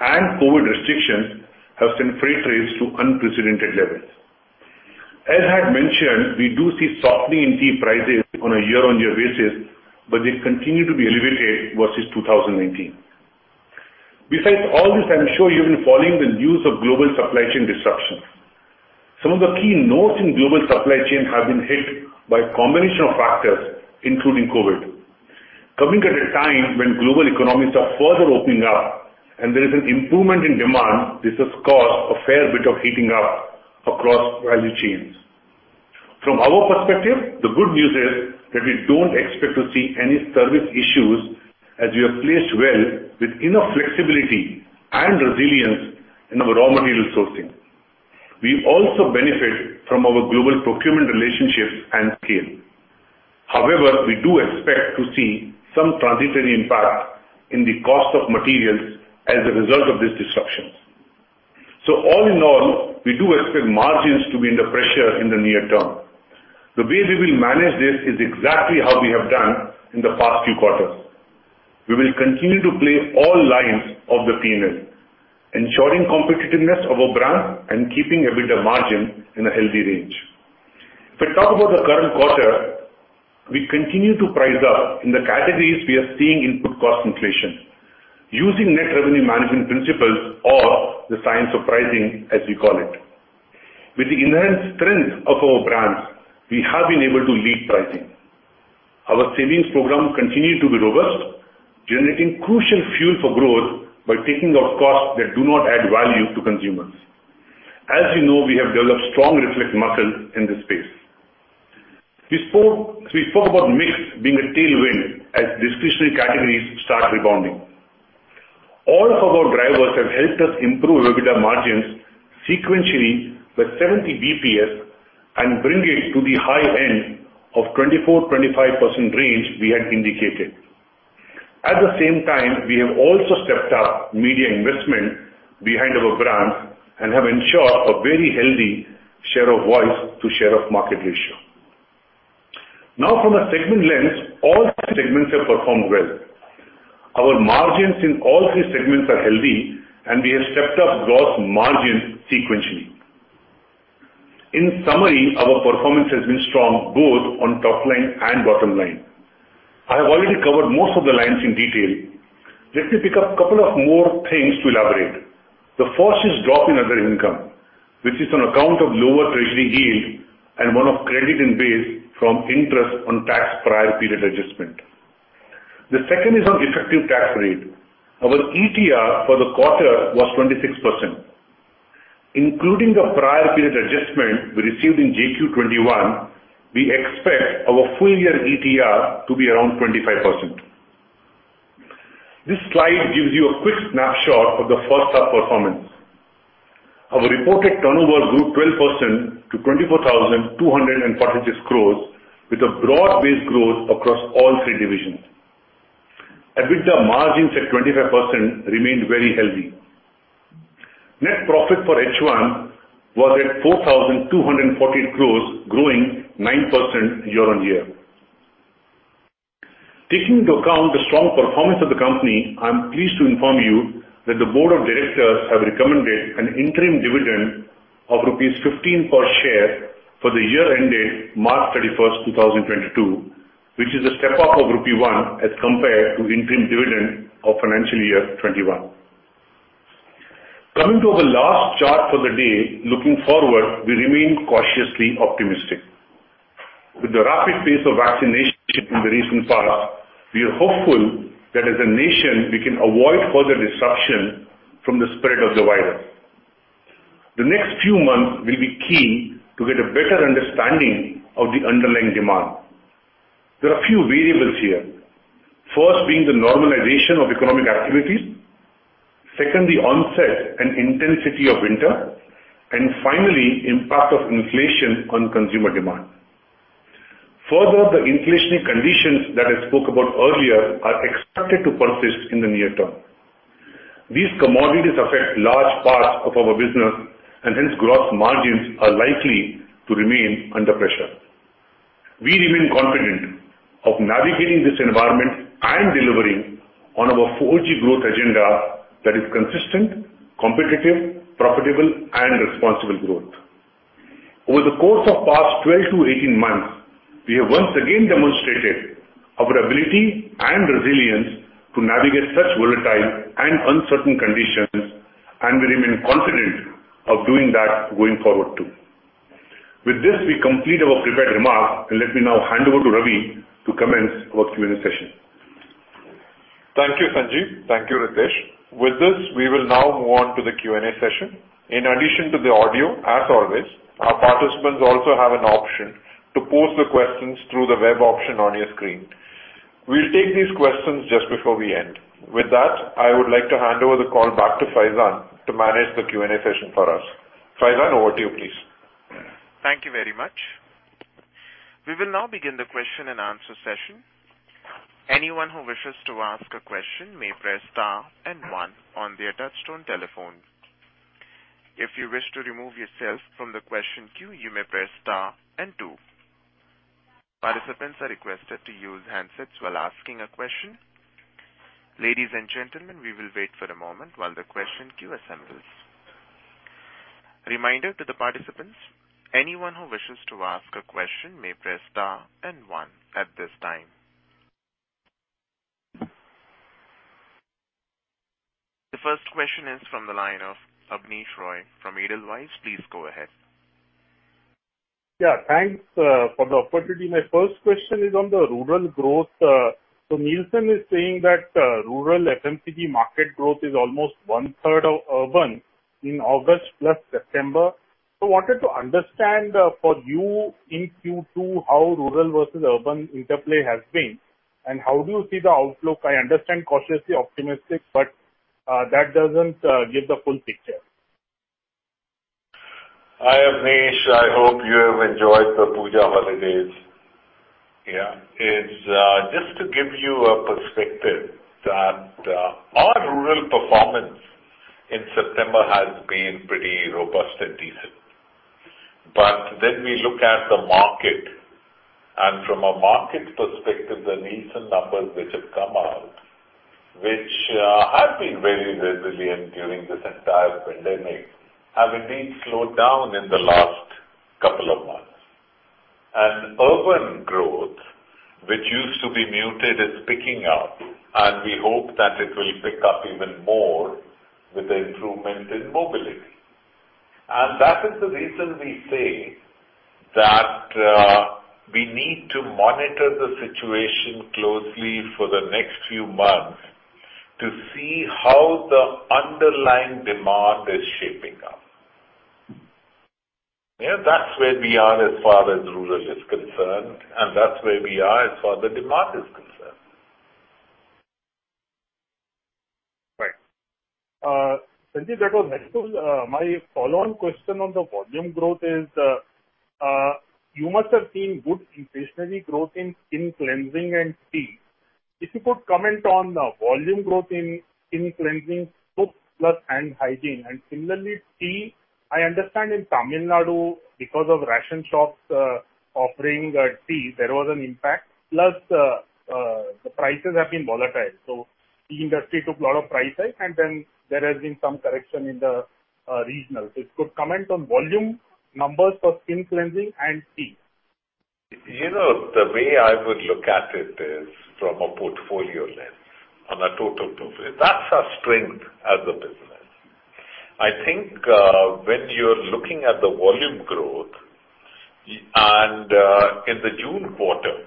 Speaker 4: and COVID restrictions have sent freight rates to unprecedented levels. As I had mentioned, we do see softening in tea prices on a year-on-year basis, but they continue to be elevated versus 2019. Besides all this, I'm sure you've been following the news of global supply chain disruptions. Some of the key nodes in global supply chain have been hit by a combination of factors, including COVID. Coming at a time when global economies are further opening up and there is an improvement in demand, this has caused a fair bit of heating up across value chains. From our perspective, the good news is that we don't expect to see any service issues as we have placed well with enough flexibility and resilience in our raw material sourcing. We also benefit from our global procurement relationships and scale. We do expect to see some transitory impact in the cost of materials as a result of these disruptions. All in all, we do expect margins to be under pressure in the near term. The way we will manage this is exactly how we have done in the past few quarters. We will continue to play all lines of the P&L, ensuring competitiveness of our brands and keeping EBITDA margin in a healthy range. If we talk about the current quarter, we continue to price up in the categories we are seeing input cost inflation, using net revenue management principles or the science of pricing, as we call it. With the enhanced strength of our brands, we have been able to lead pricing. Our savings program continued to be robust, generating crucial fuel for growth by taking out costs that do not add value to consumers. As you know, we have developed strong reflex muscle in this space. We spoke about mix being a tailwind as discretionary categories start rebounding. All of our drivers have helped us improve EBITDA margins sequentially by 70 basis points and bring it to the high end of 24%-25% range we had indicated. At the same time, we have also stepped up media investment behind our brands and have ensured a very healthy share of voice to share of market ratio. Now from a segment lens, all three segments have performed well. Our margins in all three segments are healthy, and we have stepped up gross margin sequentially. In summary, our performance has been strong both on top line and bottom line. I have already covered most of the lines in detail. Let me pick up couple of more things to elaborate. The first is drop in other income, which is on account of lower treasury yield and one-off credit in base from interest on tax prior period adjustment. The second is on effective tax rate. Our ETR for the quarter was 26%. Including the prior period adjustment we received in JQ 2021, we expect our full year ETR to be around 25%. This slide gives you a quick snapshot of the first half performance. Our reported turnover grew 12% to 24,246 crores, with a broad-based growth across all three divisions. EBITDA margins at 25% remained very healthy. Net profit for H1 was at 4,240 crores, growing 9% year-on-year. Taking into account the strong performance of the company, I'm pleased to inform you that the board of directors have recommended an interim dividend of rupees 15 per share for the year ending March 31st, 2022, which is a step up of rupee 1 as compared to interim dividend of FY 2021. Coming to our last chart for the day, looking forward, we remain cautiously optimistic. With the rapid pace of vaccination in the recent past, we are hopeful that as a nation, we can avoid further disruption from the spread of the virus. The next few months will be key to get a better understanding of the underlying demand. There are few variables here. First being the normalization of economic activities, second the onset and intensity of winter, and finally, impact of inflation on consumer demand. The inflationary conditions that I spoke about earlier are expected to persist in the near term. These commodities affect large parts of our business, and hence gross margins are likely to remain under pressure. We remain confident of navigating this environment and delivering on our 4G growth agenda that is consistent, competitive, profitable, and responsible growth. Over the course of past 12 to 18 months, we have once again demonstrated our ability and resilience to navigate such volatile and uncertain conditions, and we remain confident of doing that going forward, too. With this, we complete our prepared remarks, and let me now hand over to Ravishankar to commence our Q&A session.
Speaker 2: Thank you, Sanjiv. Thank you, Ritesh. With this, we will now move on to the Q&A session. In addition to the audio, as always, our participants also have an option to pose the questions through the web option on your screen. We'll take these questions just before we end. With that, I would like to hand over the call back to Faizan to manage the Q&A session for us. Faizan, over to you, please.
Speaker 1: Thank you very much. We will now begin the question and answer session. Anyone who wishes to ask a question may press star and one on their touchtone telephone. If you wish to remove yourself from the question queue, you may press star and two. Participants are requested to use handsets while asking a question. Ladies and gentlemen, we will wait for a moment while the question queue assembles. Reminder to the participants, anyone who wishes to ask a question may press star and one at this time. The first question is from the line of Abneesh Roy from Edelweiss Financial Services. Please go ahead.
Speaker 5: Yeah, thanks for the opportunity. My first question is on the rural growth. Nielsen is saying that rural FMCG market growth is almost 1/3 of urban in August plus September. Wanted to understand for you in Q2 how rural versus urban interplay has been, and how do you see the outlook? I understand cautiously optimistic, but that doesn't give the full picture.
Speaker 3: Hi, Abneesh. I hope you have enjoyed the Puja holidays. Yeah. Just to give you a perspective that our rural performance in September has been pretty robust and decent. We look at the market, and from a market perspective, the Nielsen numbers which have come out, which have been very resilient during this entire pandemic, have indeed slowed down in the last couple of months. Urban growth, which used to be muted, is picking up, and we hope that it will pick up even more with the improvement in mobility. That is the reason we say that we need to monitor the situation closely for the next few months to see how the underlying demand is shaping up. Yeah, that's where we are as far as rural is concerned, and that's where we are as far as the demand is concerned.
Speaker 5: Right. Sanjiv, that was helpful. My follow-on question on the volume growth is, you must have seen good inflationary growth in skin cleansing and tea. If you could comment on the volume growth in skin cleansing soaps plus hand hygiene, and similarly, tea. I understand in Tamil Nadu, because of ration shops offering tea, there was an impact, plus the prices have been volatile. The industry took a lot of price hike, and then there has been some correction in the regional. If you could comment on volume numbers for skin cleansing and tea.
Speaker 3: The way I would look at it is from a portfolio lens on a total portfolio. That's our strength as a business. I think when you're looking at the volume growth, in the June quarter,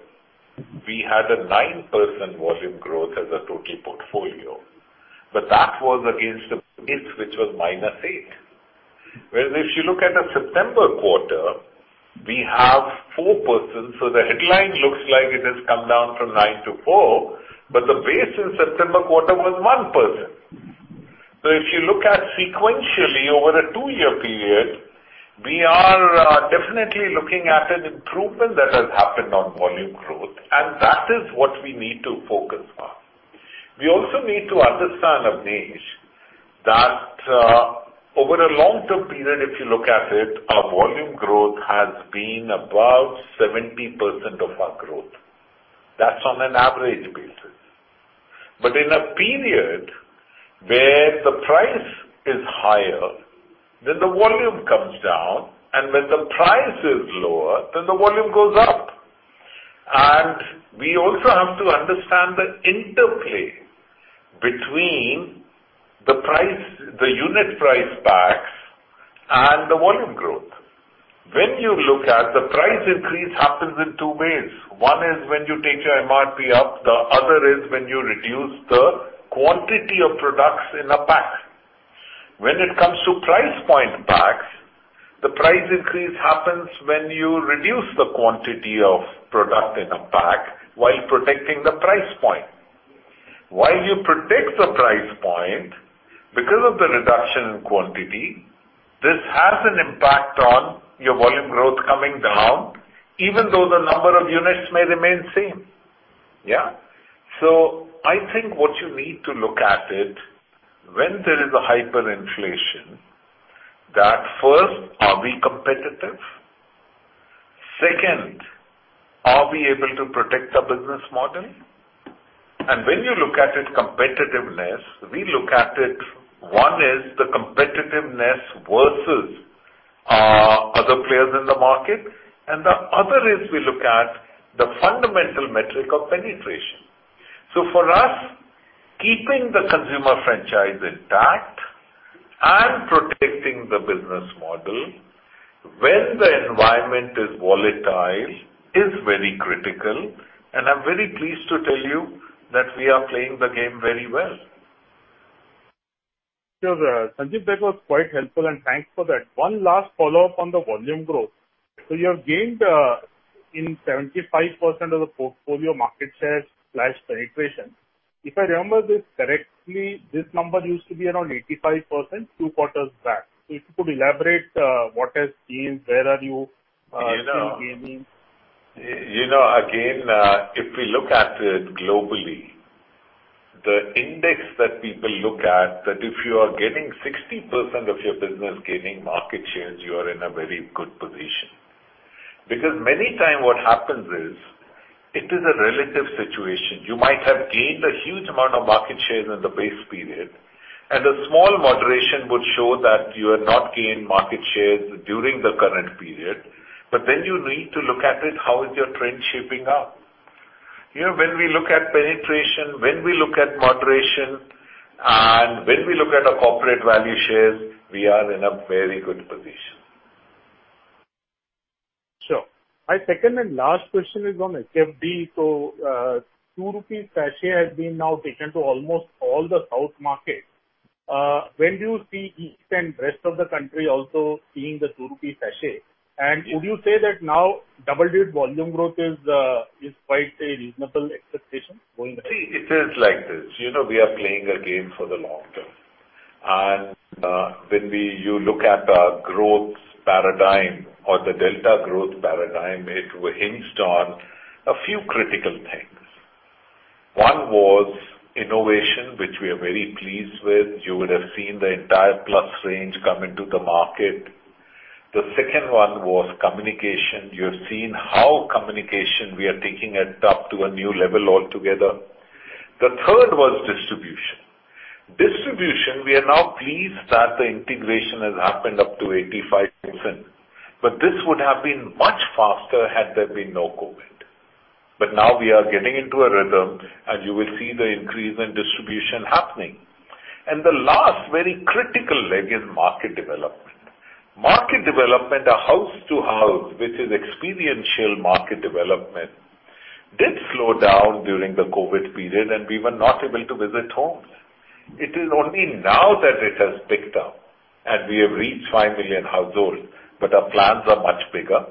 Speaker 3: we had a 9% volume growth as a total portfolio, but that was against a base which was -8%. Whereas if you look at the September quarter, we have 4%. The headline looks like it has come down from 9%-4%, but the base in September quarter was 1%. If you look at sequentially over a two-year period, we are definitely looking at an improvement that has happened on volume growth, and that is what we need to focus on. We also need to understand, Abneesh Roy, that over a long-term period, if you look at it, our volume growth has been above 70% of our growth. That's on an average basis. In a period where the price is higher, then the volume comes down, and when the price is lower, then the volume goes up. We also have to understand the interplay between the unit price packs and the volume growth. When you look at the price increase happens in two ways. One is when you take your MRP up, the other is when you reduce the quantity of products in a pack. When it comes to price point packs, the price increase happens when you reduce the quantity of product in a pack while protecting the price point. While you protect the price point, because of the reduction in quantity, this has an impact on your volume growth coming down, even though the number of units may remain same. Yeah. I think what you need to look at it, when there is a hyperinflation, that first, are we competitive? Second, are we able to protect the business model? When you look at its competitiveness, we look at it, one is the competitiveness versus other players in the market, and the other is we look at the fundamental metric of penetration. For us, keeping the consumer franchise intact and protecting the business model when the environment is volatile is very critical, and I'm very pleased to tell you that we are playing the game very well.
Speaker 5: Sure. Sanjiv, that was quite helpful, and thanks for that. One last follow-up on the volume growth. You have gained in 75% of the portfolio market shares/penetration. If I remember this correctly, this number used to be around 85% two quarters back. If you could elaborate, where are you still gaining?
Speaker 3: If we look at it globally, the index that people look at, that if you are getting 60% of your business gaining market shares, you are in a very good position. Many times what happens is, it is a relative situation. You might have gained a huge amount of market shares in the base period, and a small moderation would show that you have not gained market shares during the current period. You need to look at it, how is your trend shaping up? When we look at penetration, when we look at moderation, and when we look at a corporate value share, we are in a very good position.
Speaker 5: Sure. My second and last question is on HFD. 2 rupees sachet has been now taken to almost all the south markets. When do you see east and rest of the country also seeing the 2 rupee sachet? Would you say that now double-digit volume growth is quite a reasonable expectation going back?
Speaker 3: See, it is like this. We are playing a game for the long term. When you look at our growth paradigm or the delta growth paradigm, it hinged on a few critical things. One was innovation, which we are very pleased with. You would have seen the entire Plus range come into the market. The second one was communication. You have seen how communication, we are taking it up to a new level altogether. The third was distribution. Distribution, we are now pleased that the integration has happened up to 85%, but this would have been much faster had there been no COVID. Now we are getting into a rhythm, and you will see the increase in distribution happening. The last very critical leg is market development. Market development are house to house, which is experiential market development, did slow down during the COVID period, and we were not able to visit homes. It is only now that it has picked up, and we have reached five million households, but our plans are much bigger.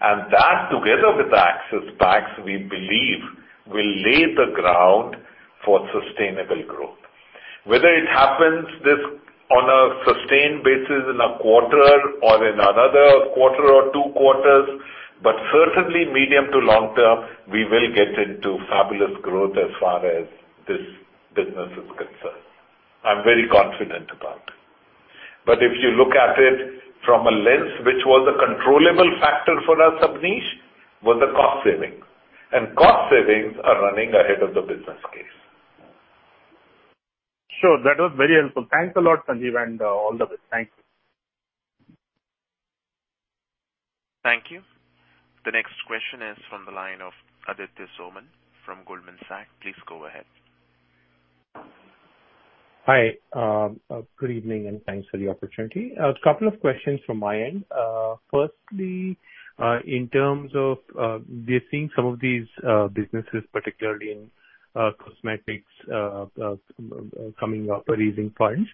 Speaker 3: That, together with the access packs, we believe, will lay the ground for sustainable growth. Whether it happens this on a sustained basis in a quarter or in another quarter or two quarters, but certainly medium to long term, we will get into fabulous growth as far as this business is concerned. I am very confident about it. If you look at it from a lens, which was a controllable factor for our sub-niche, was the cost savings, and cost savings are running ahead of the business case.
Speaker 5: Sure. That was very helpful. Thanks a lot, Sanjiv, and all the best. Thank you.
Speaker 1: Thank you. The next question is from the line of Aditya Soman from Goldman Sachs. Please go ahead.
Speaker 6: Hi. Good evening, and thanks for the opportunity. A couple of questions from my end. Firstly, in terms of, we are seeing some of these businesses, particularly in cosmetics, coming up or raising funds.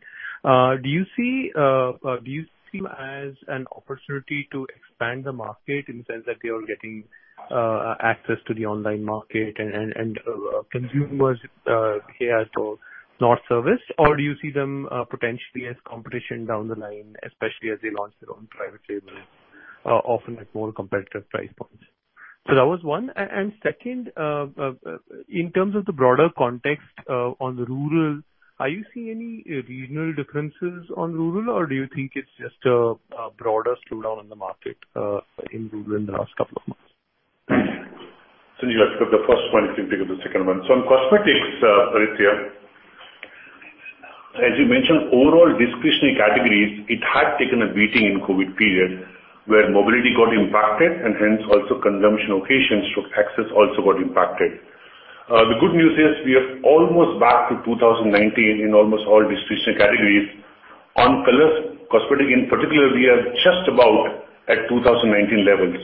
Speaker 6: Do you see them as an opportunity to expand the market in the sense that they are getting access to the online market and consumers here are not serviced? Do you see them potentially as competition down the line, especially as they launch their own private label, often at more competitive price points? That was one. Second, in terms of the broader context on the rural, are you seeing any regional differences on rural, or do you think it's just a broader slowdown in the market in rural in the last two months?
Speaker 4: Sanjiv, I'll take the first one, you can take the second one. On cosmetics, Aditya, as you mentioned, overall discretionary categories, it had taken a beating in COVID period, where mobility got impacted and hence also consumption occasions through access also got impacted. The good news is we are almost back to 2019 in almost all discretionary categories. On color cosmetic in particular, we are just about at 2019 levels.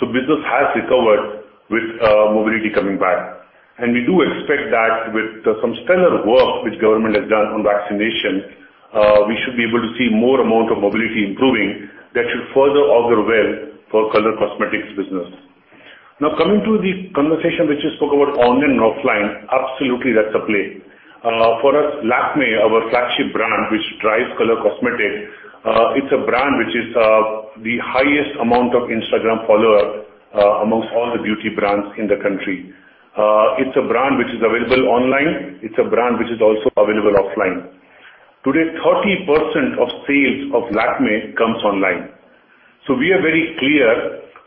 Speaker 4: Business has recovered with mobility coming back. We do expect that with some stellar work which government has done on vaccination, we should be able to see more amount of mobility improving that should further augur well for color cosmetics business. Now, coming to the conversation which you spoke about online and offline, absolutely that's a play. For us, Lakmé, our flagship brand, which drives color cosmetic, it's a brand which is the highest amount of Instagram follower amongst all the beauty brands in the country. It's a brand which is available online. It's a brand which is also available offline. Today, 30% of sales of Lakmé comes online. We are very clear,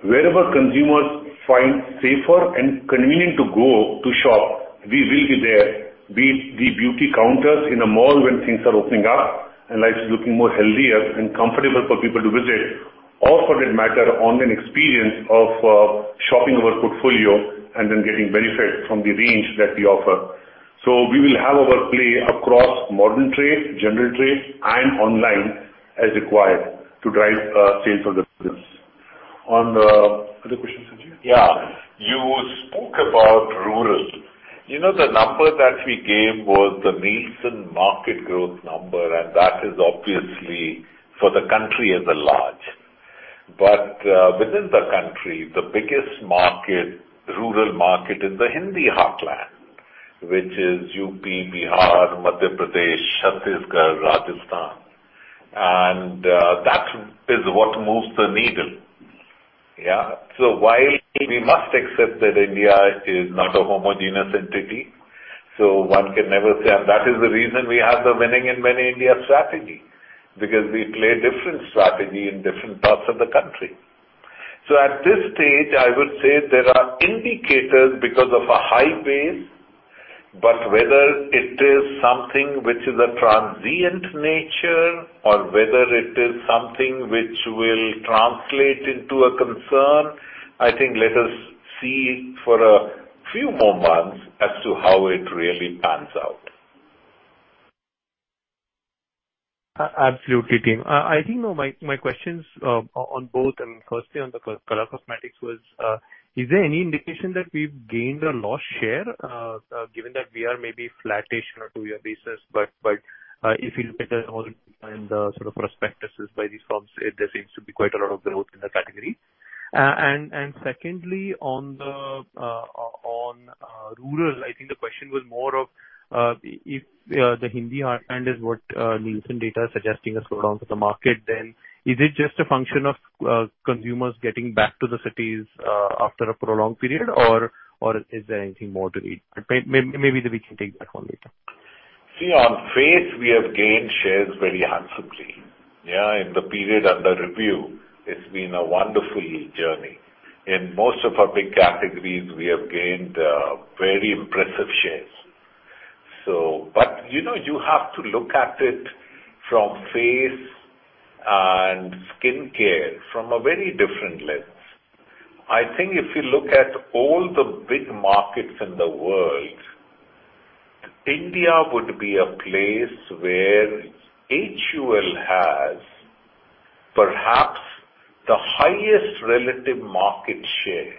Speaker 4: wherever consumers find safer and convenient to go to shop, we will be there, be it the beauty counters in a mall when things are opening up and life is looking more healthier and comfortable for people to visit, or for that matter, online experience of shopping our portfolio and then getting benefit from the range that we offer. We will have our play across modern trade, general trade, and online as required to drive sales of the business. Other questions, Sanjiv?
Speaker 3: Yeah. You spoke about rural. The number that we gave was the Nielsen market growth number. That is obviously for the country at the large. Within the country, the biggest rural market is the Hindi heartland, which is UP, Bihar, Madhya Pradesh, Chhattisgarh, Rajasthan. That is what moves the needle. Yeah. While we must accept that India is not a homogeneous entity, one can never say. That is the reason we have the Winning in Many Indias strategy, because we play different strategy in different parts of the country. At this stage, I would say there are indicators because of a high base. Whether it is something which is a transient nature or whether it is something which will translate into a concern, I think let us see for a few more months as to how it really pans out.
Speaker 6: Absolutely, team. I think my questions on both. Firstly on the color cosmetics was, is there any indication that we've gained or lost share, given that we are maybe flat-ish on a two-year basis, but if you look at all the time the sort of prospectuses by these firms, there seems to be quite a lot of growth in that category. Secondly, on rural, I think the question was more of. If the Hindi heartland is what Nielsen data is suggesting a slowdown for the market, then is it just a function of consumers getting back to the cities after a prolonged period? Or is there anything more to it? Maybe we can take that one later.
Speaker 3: On face, we have gained shares very handsomely. In the period under review, it's been a wonderful journey. In most of our big categories, we have gained very impressive shares. You have to look at it from face and skin care from a very different lens. I think if you look at all the big markets in the world, India would be a place where HUL has perhaps the highest relative market share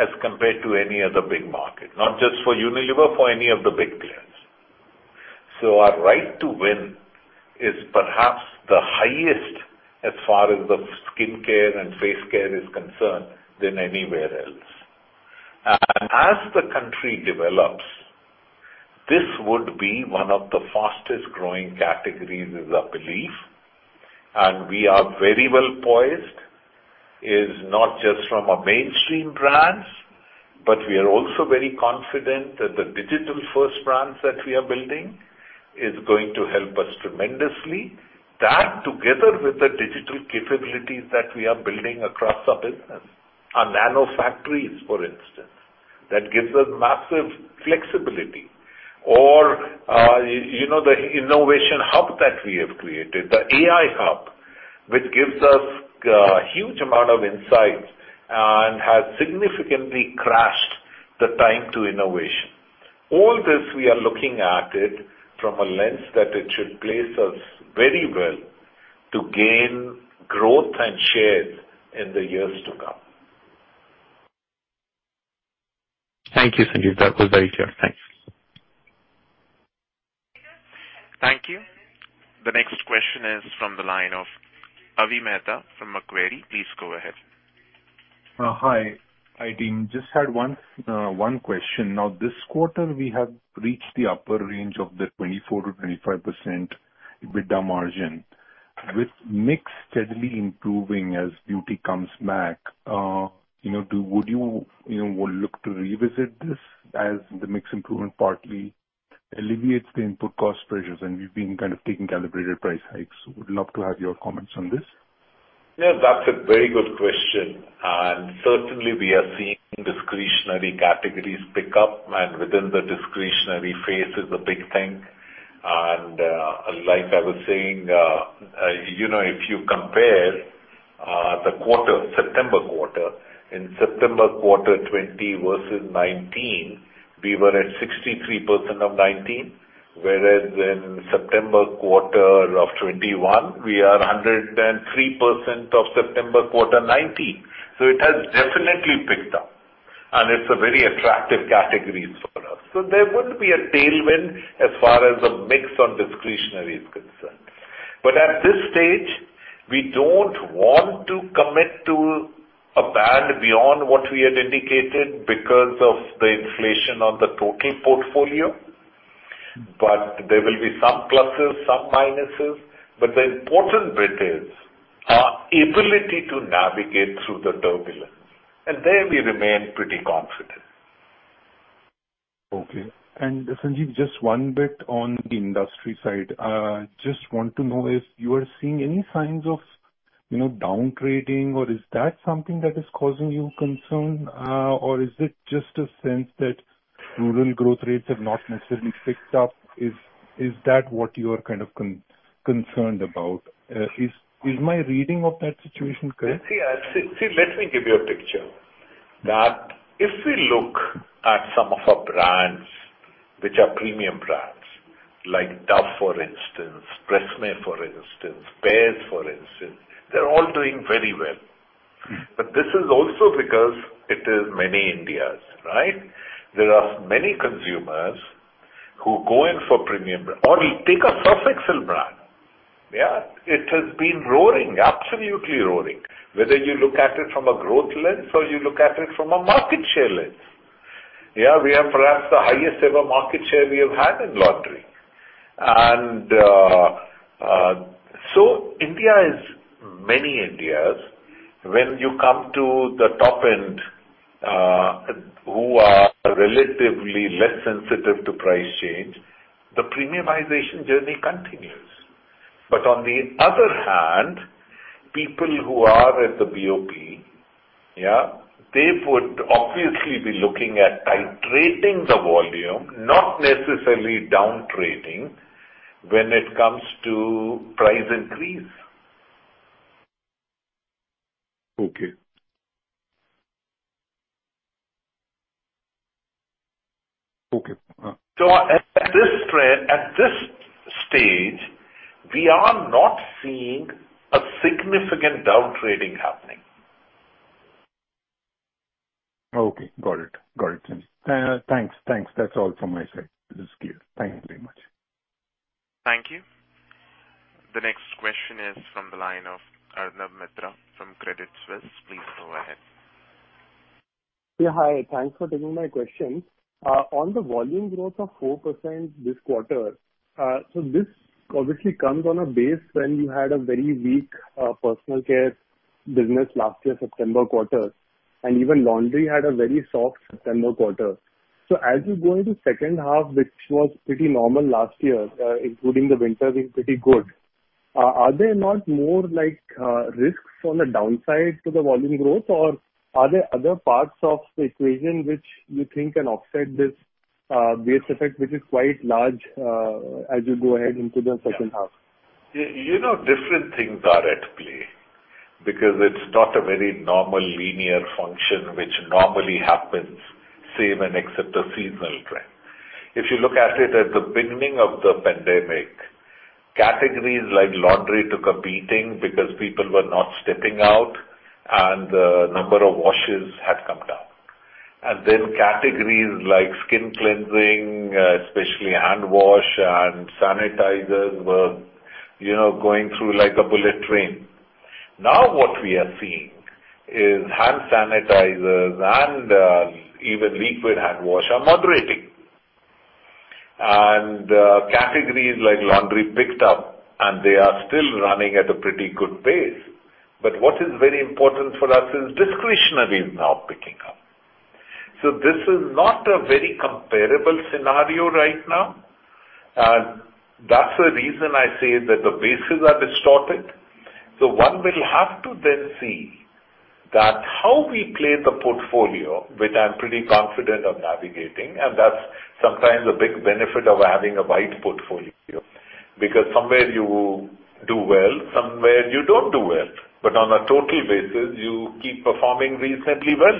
Speaker 3: as compared to any other big market, not just for Unilever, for any of the big players. Our right to win is perhaps the highest as far as the skin care and face care is concerned, than anywhere else. As the country develops, this would be one of the fastest-growing categories is our belief, and we are very well poised is not just from our mainstream brands, but we are also very confident that the digital-first brands that we are building is going to help us tremendously. That, together with the digital capabilities that we are building across our business. Our nano factories, for instance, that gives us massive flexibility. The innovation hub that we have created, the AI hub, which gives us a huge amount of insights and has significantly crashed the time to innovation. All this, we are looking at it from a lens that it should place us very well to gain growth and share in the years to come.
Speaker 6: Thank you, Sanjiv. That was very clear. Thanks.
Speaker 1: Thank you. The next question is from the line of Avi Mehta from Macquarie Group. Please go ahead.
Speaker 7: Hi. Hi, team. Just had one question. Now, this quarter, we have reached the upper range of the 24%-25% EBITDA margin. With mix steadily improving as beauty comes back, would you look to revisit this as the mix improvement partly alleviates the input cost pressures? We've been kind of taking calibrated price hikes. Would love to have your comments on this.
Speaker 3: Yeah, that's a very good question. Certainly, we are seeing discretionary categories pick up, and within the discretionary, face is a big thing. Like I was saying, if you compare the September quarter, in September quarter 2020 versus 2019, we were at 63% of 2019, whereas in September quarter of 2021, we are 103% of September quarter 2019. It has definitely picked up, and it's a very attractive category for us. There would be a tailwind as far as the mix on discretionary is concerned. At this stage, we don't want to commit to a band beyond what we had indicated because of the inflation on the total portfolio. There will be some pluses, some minuses. The important bit is our ability to navigate through the turbulence, and there we remain pretty confident.
Speaker 7: Okay. Sanjiv, just one bit on the industry side. Just want to know if you are seeing any signs of downgrading, or is that something that is causing you concern? Is it just a sense that rural growth rates have not necessarily picked up? Is that what you're kind of concerned about? Is my reading of that situation correct?
Speaker 3: See, let me give you a picture. If we look at some of our brands, which are premium brands like Dove, for instance, TRESemmé, for instance, Pears, for instance, they're all doing very well. This is also because it is many Indias, right? There are many consumers who go in for premium brands. Take a Surf Excel brand. It has been roaring. Absolutely roaring. Whether you look at it from a growth lens or you look at it from a market share lens. We have perhaps the highest ever market share we have had in laundry. India is many Indias. When you come to the top end, who are relatively less sensitive to price change, the premiumization journey continues. On the other hand, people who are at the BOP, they would obviously be looking at titrating the volume, not necessarily downgrading, when it comes to price increase.
Speaker 7: Okay.
Speaker 3: At this stage, we are not seeing a significant downgrading happening.
Speaker 7: Okay, got it. Thanks. That's all from my side. This is clear. Thank you very much.
Speaker 1: Thank you. The next Arnab Mitra from Credit Suisse, please go ahead.
Speaker 8: Yeah, hi. Thanks for taking my question. On the volume growth of 4% this quarter, this obviously comes on a base when you had a very weak personal care business last year, September quarter, and even laundry had a very soft September quarter. As you go into the second half, which was pretty normal last year, including the winter being pretty good, are there not more risks on the downside to the volume growth, or are there other parts of the equation which you think can offset this base effect, which is quite large as you go ahead into the second half?
Speaker 3: Different things are at play because it's not a very normal linear function which normally happens same and except a seasonal trend. If you look at it at the beginning of the pandemic, categories like laundry took a beating because people were not stepping out and the number of washes had come down. Then categories like skin cleansing, especially handwash and sanitizers were going through like a bullet train. What we are seeing is hand sanitizers and even liquid handwash are moderating. Categories like laundry picked up and they are still running at a pretty good pace. What is very important for us is discretionary is now picking up. This is not a very comparable scenario right now, and that's the reason I say that the bases are distorted. One will have to then see that how we play the portfolio, which I'm pretty confident of navigating, and that's sometimes a big benefit of having a wide portfolio. Somewhere you do well, somewhere you don't do well. On a total basis, you keep performing reasonably well.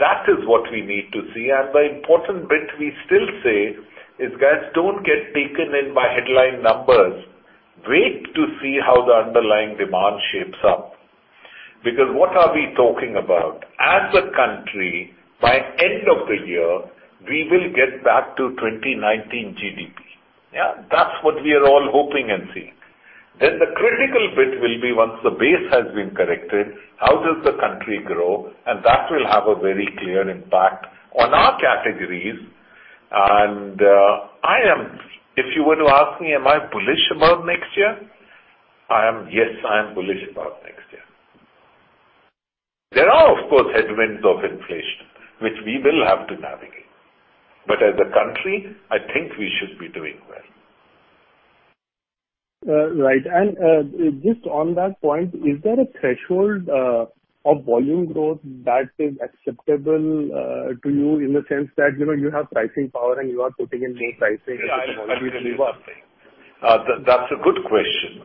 Speaker 3: That is what we need to see. The important bit we still say is, "Guys, don't get taken in by headline numbers. Wait to see how the underlying demand shapes up." What are we talking about? As a country, by end of the year, we will get back to 2019 GDP. Yeah? That's what we are all hoping and seeing. The critical bit will be once the base has been corrected, how does the country grow? That will have a very clear impact on our categories, and if you were to ask me, am I bullish about next year? Yes, I am bullish about next year. There are, of course, headwinds of inflation, which we will have to navigate. As a country, I think we should be doing well.
Speaker 8: Right. Just on that point, is there a threshold of volume growth that is acceptable to you in the sense that you have pricing power and you are putting in more pricing.
Speaker 3: I really wasn't. That is a good question.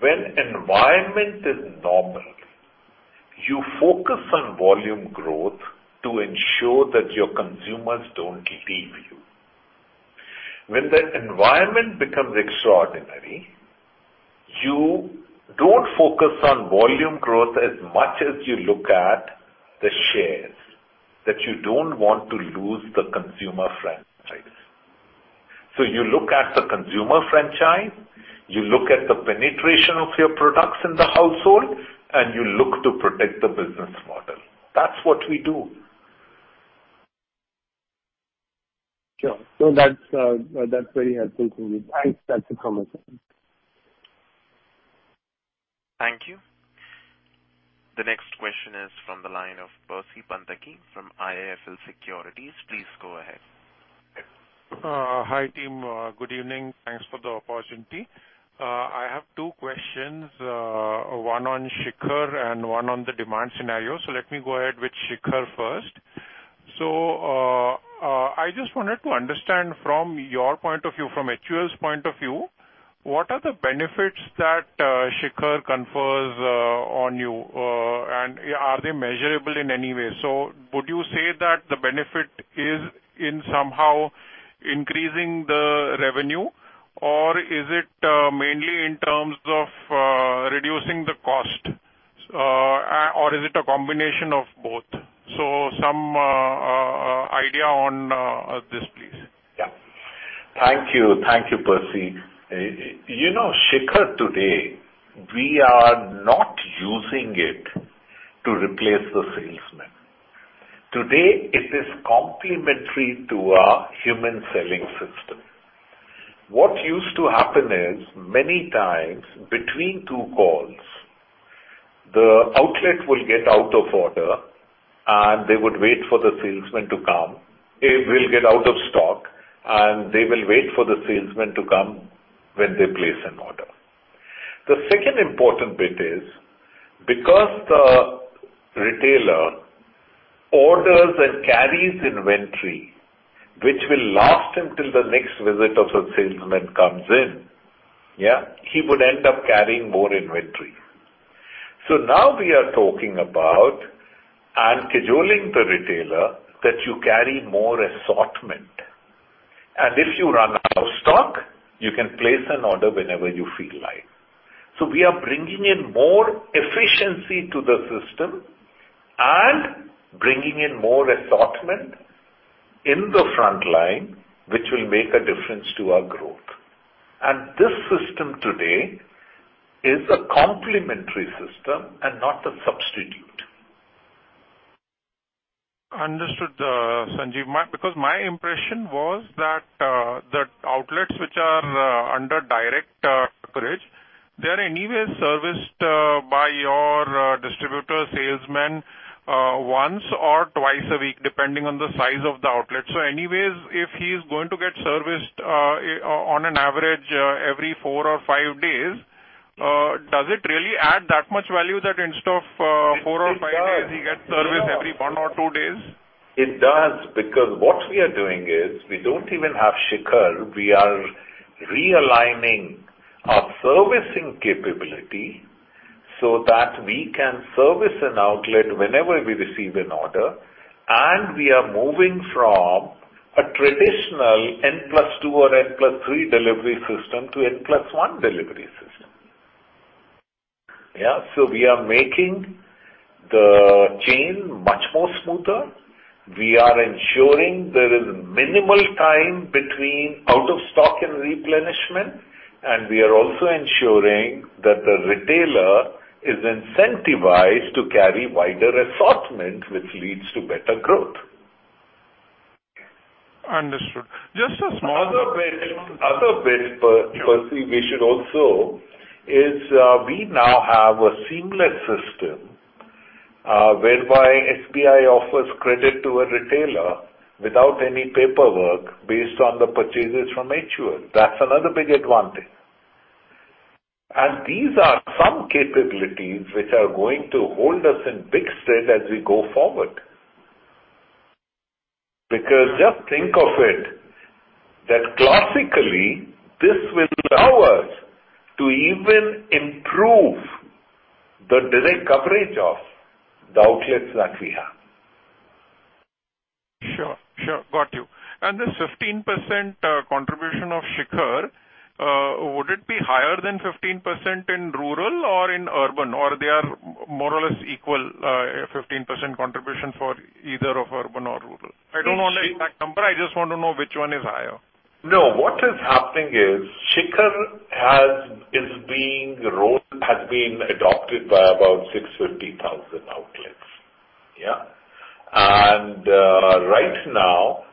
Speaker 3: When environment is normal, you focus on volume growth to ensure that your consumers don't leave you. When the environment becomes extraordinary, you don't focus on volume growth as much as you look at the shares that you don't want to lose the consumer franchise. You look at the consumer franchise, you look at the penetration of your products in the household, and you look to protect the business model. That is what we do.
Speaker 8: Sure. That's very helpful to me. Thanks. That's a common sense.
Speaker 1: Thank you. The next question is from the line of Percy Panthaki from IIFL Securities. Please go ahead.
Speaker 9: Hi, team. Good evening. Thanks for the opportunity. I have two questions, one on Shikhar and one on the demand scenario. Let me go ahead with Shikhar first. I just wanted to understand from your point of view, from HUL's point of view, what are the benefits that Shikhar confers on you? Are they measurable in any way? Would you say that the benefit is in somehow increasing the revenue, or is it mainly in terms of reducing the cost? Is it a combination of both? Some idea on this, please.
Speaker 3: Yeah. Thank you. Thank you, Percy. Shikhar today, we are not using it to replace the salesman. Today, it is complementary to our human selling system. What used to happen is many times between two calls, the outlet will get out of order, and they would wait for the salesman to come. It will get out of stock, and they will wait for the salesman to come when they place an order. The second important bit is because the retailer orders and carries inventory, which will last him till the next visit of a salesman comes in, yeah, he would end up carrying more inventory. Now we are talking about and scheduling the retailer that you carry more assortment, and if you run out of stock, you can place an order whenever you feel like. We are bringing in more efficiency to the system and bringing in more assortment in the frontline, which will make a difference to our growth. This system today is a complementary system and not a substitute.
Speaker 9: Understood, Sanjiv. My impression was that outlets which are under direct coverage, they are anyways serviced by your distributor salesman once or twice a week, depending on the size of the outlet. Anyways, if he's going to get serviced on an average every four or five days, does it really add that much value that instead of four or five days?
Speaker 3: It does.
Speaker 9: he gets service every one or two days?
Speaker 3: It does, because what we are doing is we don't even have Shikhar. We are realigning our servicing capability so that we can service an outlet whenever we receive an order, and we are moving from a traditional N+2 or N+3 delivery system to N+1 delivery system. We are making the chain much more smoother. We are ensuring there is minimal time between out of stock and replenishment, and we are also ensuring that the retailer is incentivized to carry wider assortment, which leads to better growth.
Speaker 9: Understood. Just a small-
Speaker 3: Percy, we now have a seamless system whereby SBI offers credit to a retailer without any paperwork based on the purchases from HUL. That's another big advantage. These are some capabilities which are going to hold us in big stead as we go forward. Just think of it, that classically this will allow us to even improve the direct coverage of the outlets that we have.
Speaker 9: Sure. Got you. This 15% contribution of Shikhar, would it be higher than 15% in rural or in urban? Or they are more or less equal 15% contribution for either of urban or rural? I don't want the exact number, I just want to know which one is higher.
Speaker 3: No. What is happening is Shikhar has been adopted by about 650,000 outlets. Yeah. Right now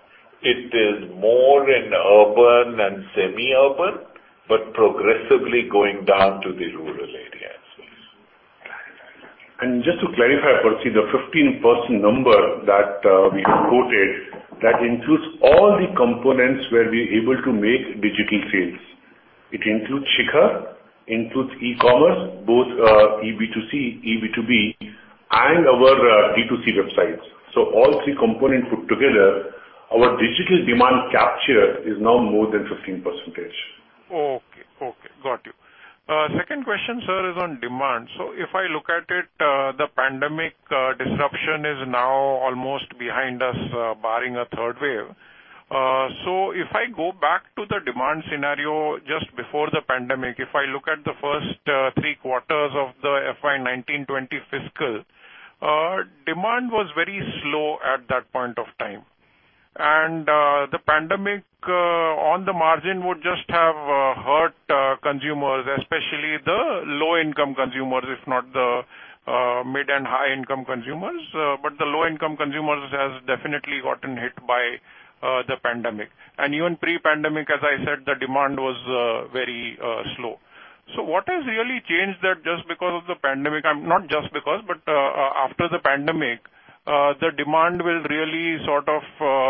Speaker 3: it is more in urban and semi-urban, but progressively going down to the rural areas.
Speaker 4: Just to clarify, Percy, the 15% number that we quoted, that includes all the components where we're able to make digital sales. It includes Shikhar, includes e-commerce, both eB2C, eB2B, and our D2C websites. All three components put together, our digital demand capture is now more than 15%.
Speaker 9: Okay. Got you. Second question, sir, is on demand. If I look at it, the pandemic disruption is now almost behind us, barring a third wave. If I go back to the demand scenario just before the pandemic, if I look at the first three quarters of the FY 2019-FY 2020 fiscal, demand was very slow at that point of time. The pandemic on the margin would just have hurt consumers, especially the low-income consumers, if not the mid and high-income consumers. The low-income consumers has definitely gotten hit by the pandemic. Even pre-pandemic, as I said, the demand was very slow. What has really changed that just because of the pandemic, not just because, but after the pandemic, the demand will really sort of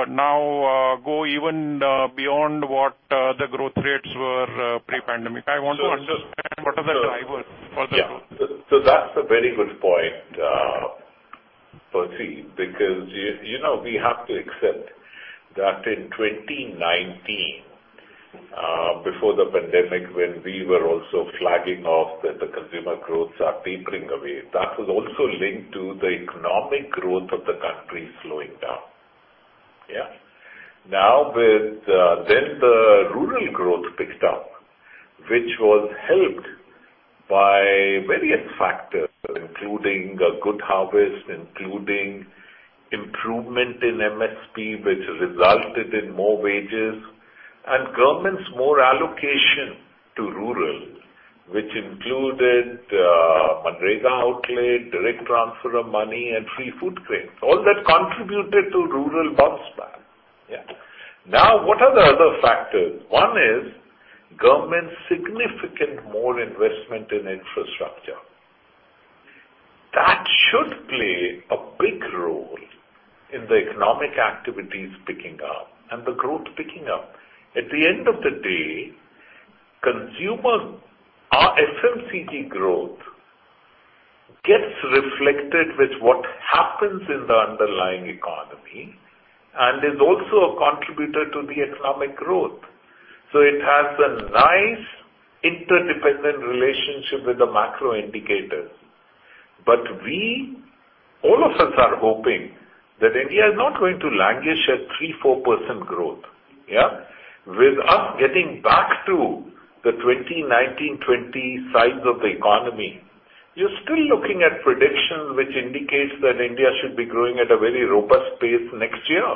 Speaker 9: now go even beyond what the growth rates were pre-pandemic? I want to understand what are the drivers for the growth.
Speaker 3: That's a very good point, Percy, because we have to accept that in 2019, before the pandemic, when we were also flagging off that the consumer growths are tapering away, that was also linked to the economic growth of the country slowing down. Yeah. The rural growth picked up, which was helped by various factors, including a good harvest, including improvement in MSP, which resulted in more wages, and government's more allocation to rural, which included MGNREGA outlay, direct transfer of money, and free food grains. All that contributed to rural bounce back. Yeah. What are the other factors? One is government's significant more investment in infrastructure. That should play a big role in the economic activities picking up and the growth picking up. At the end of the day, consumer, our FMCG growth gets reflected with what happens in the underlying economy and is also a contributor to the economic growth. It has a nice interdependent relationship with the macro indicators. All of us are hoping that India is not going to languish at 3%-4% growth. Yeah? With us getting back to the 2019, 2020 size of the economy. You're still looking at predictions which indicates that India should be growing at a very robust pace next year,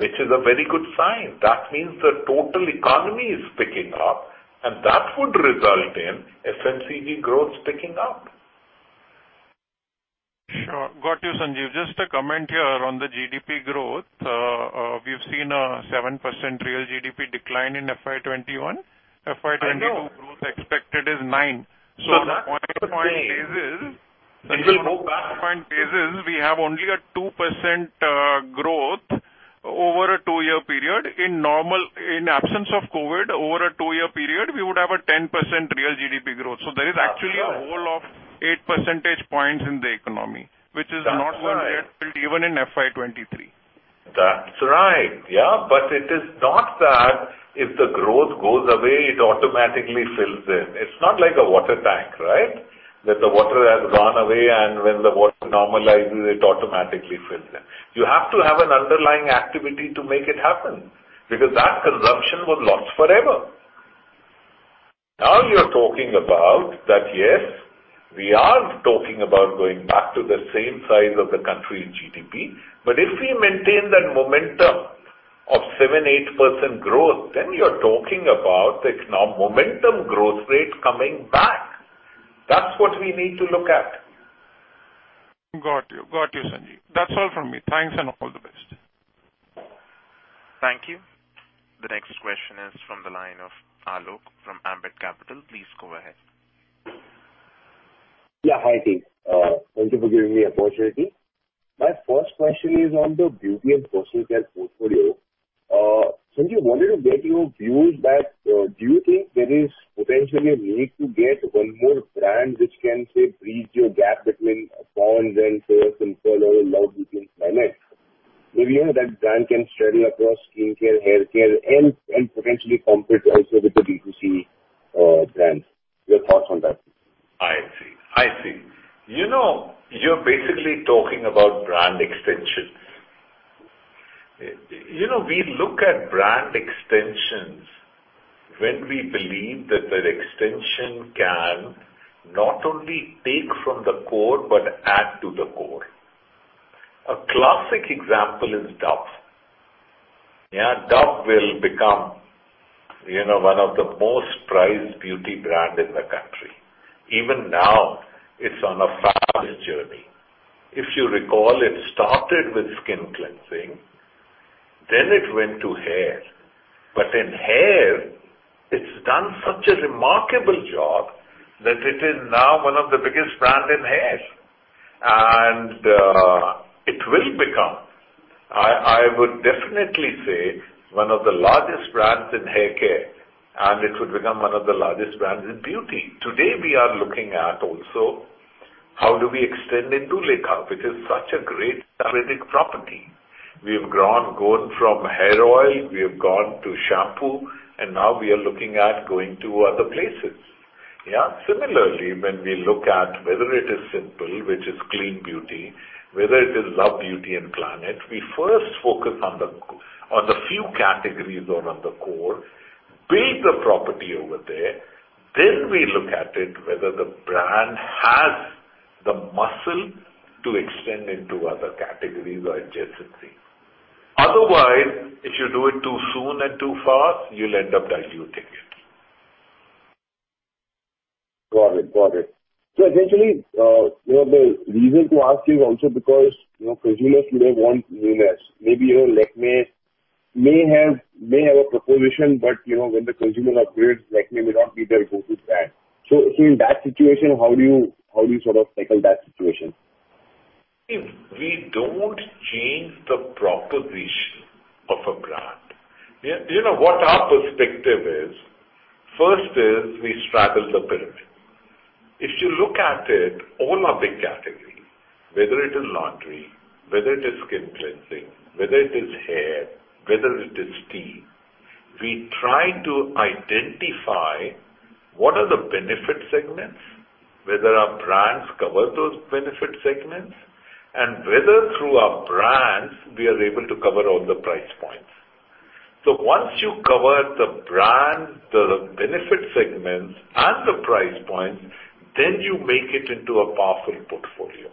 Speaker 3: which is a very good sign. That means the total economy is picking up and that would result in FMCG growth picking up.
Speaker 9: Sure. Got you, Sanjiv. Just a comment here on the GDP growth. We've seen a 7% real GDP decline in FY 2021. FY 2022-
Speaker 3: I know.
Speaker 9: growth expected is 9%.
Speaker 3: That's the pain. It will go back.
Speaker 9: On point basis, we have only a 2% growth over a two-year period. In absence of COVID, over a two-year period, we would have a 10% real GDP growth.
Speaker 3: That's right.
Speaker 9: a hole of 8 percentage points in the economy.
Speaker 3: That's right.
Speaker 9: not going to get filled even in FY 2023.
Speaker 3: That's right. Yeah. It is not that if the growth goes away, it automatically fills in. It's not like a water tank, right? That the water has gone away, and when the water normalizes, it automatically fills in. You have to have an underlying activity to make it happen, because that consumption was lost forever. You're talking about that, yes, we are talking about going back to the same size of the country GDP, but if we maintain that momentum of 7%, 8% growth, then you're talking about the momentum growth rate coming back. That's what we need to look at.
Speaker 9: Got you. Got you, Sanjiv. That's all from me. Thanks and all the best.
Speaker 1: Thank you. The next question is from the line of Alok Shah from Ambit Capital. Please go ahead.
Speaker 10: Yeah. Hi, team. Thank you for giving me the opportunity. My first question is on the beauty and personal care portfolio. Sanjiv, wanted to get your views back. Do you think there is potentially a need to get one more brand which can, say, bridge your gap between Pond's and Fair & Lovely, Love Beauty and Planet? Maybe that brand can straddle across skincare, haircare, and potentially compete also with the D2C brands. Your thoughts on that?
Speaker 3: I see. You're basically talking about brand extensions. We look at brand extensions when we believe that the extension can not only take from the core but add to the core. A classic example is Dove. Yeah. Dove will become one of the most prized beauty brand in the country. Even now, it's on a fabulous journey. If you recall, it started with skin cleansing, then it went to hair. In hair, it's done such a remarkable job that it is now one of the biggest brand in hair. It will become, I would definitely say, one of the largest brands in haircare, and it would become one of the largest brands in beauty. Today, we are looking at also how do we extend into Indulekha, which is such a great property. We've gone from hair oil, we have gone to shampoo, and now we are looking at going to other places. Yeah. Similarly, when we look at whether it is Simple, which is clean beauty, whether it is Love Beauty & Planet, we first focus on the few categories or on the core, build the property over there, then we look at it whether the brand has the muscle to extend into other categories or adjacencies. Otherwise, if you do it too soon and too fast, you'll end up diluting it.
Speaker 10: Got it. Eventually, the reason to ask is also because consumers would have want newness. Maybe Lakmé may have a proposition, but when the consumers upgrade, Lakmé may not be their go-to brand. In that situation, how do you sort of tackle that situation?
Speaker 3: We don't change the proposition of a brand. What our perspective is, first is we straddle the pyramid. If you look at it, all our big categories, whether it is laundry, whether it is skin cleansing, whether it is hair, whether it is tea, we try to identify what are the benefit segments, whether our brands cover those benefit segments, and whether through our brands, we are able to cover all the price points. Once you cover the brand, the benefit segments, and the price points, then you make it into a powerful portfolio.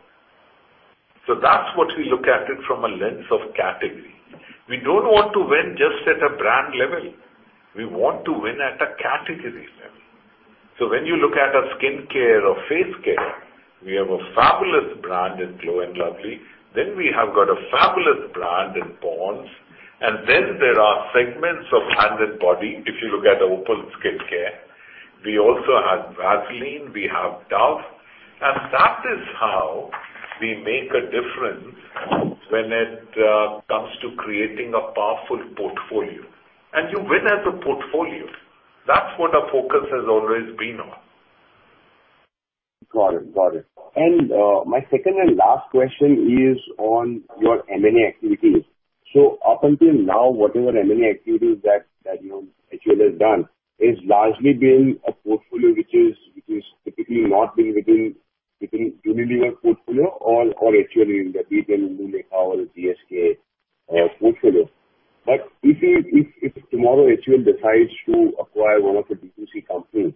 Speaker 3: That's what we look at it from a lens of category. We don't want to win just at a brand level. We want to win at a category level. When you look at our skincare or face care, we have a fabulous brand in Glow & Lovely. We have got a fabulous brand in Pond's. There are segments of hand and body, if you look at the. We also have Vaseline, we have Dove, that is how we make a difference when it comes to creating a powerful portfolio. You win as a portfolio. That's what our focus has always been on.
Speaker 10: Got it. My second and last question is on your M&A activities. Up until now, whatever M&A activities that HUL has done is largely been a portfolio which is typically not been within Unilever portfolio or HUL India, be it in Indulekha or GSK portfolio. If tomorrow HUL decides to acquire one of the D2C companies,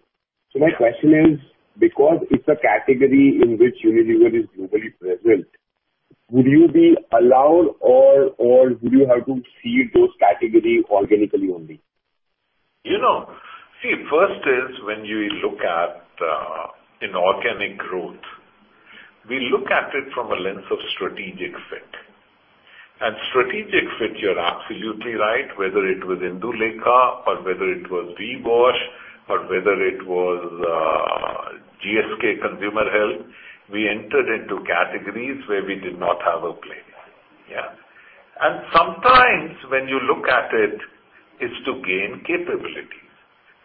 Speaker 10: so my question is, because it's a category in which Unilever is globally present, would you be allowed or would you have to see those category organically only?
Speaker 3: See, first is when you look at inorganic growth, we look at it from a lens of strategic fit. Strategic fit, you're absolutely right, whether it was Indulekha or whether it was VWash, or whether it was GSK Consumer Healthcare, we entered into categories where we did not have a play. Yeah. Sometimes when you look at it's to gain capabilities.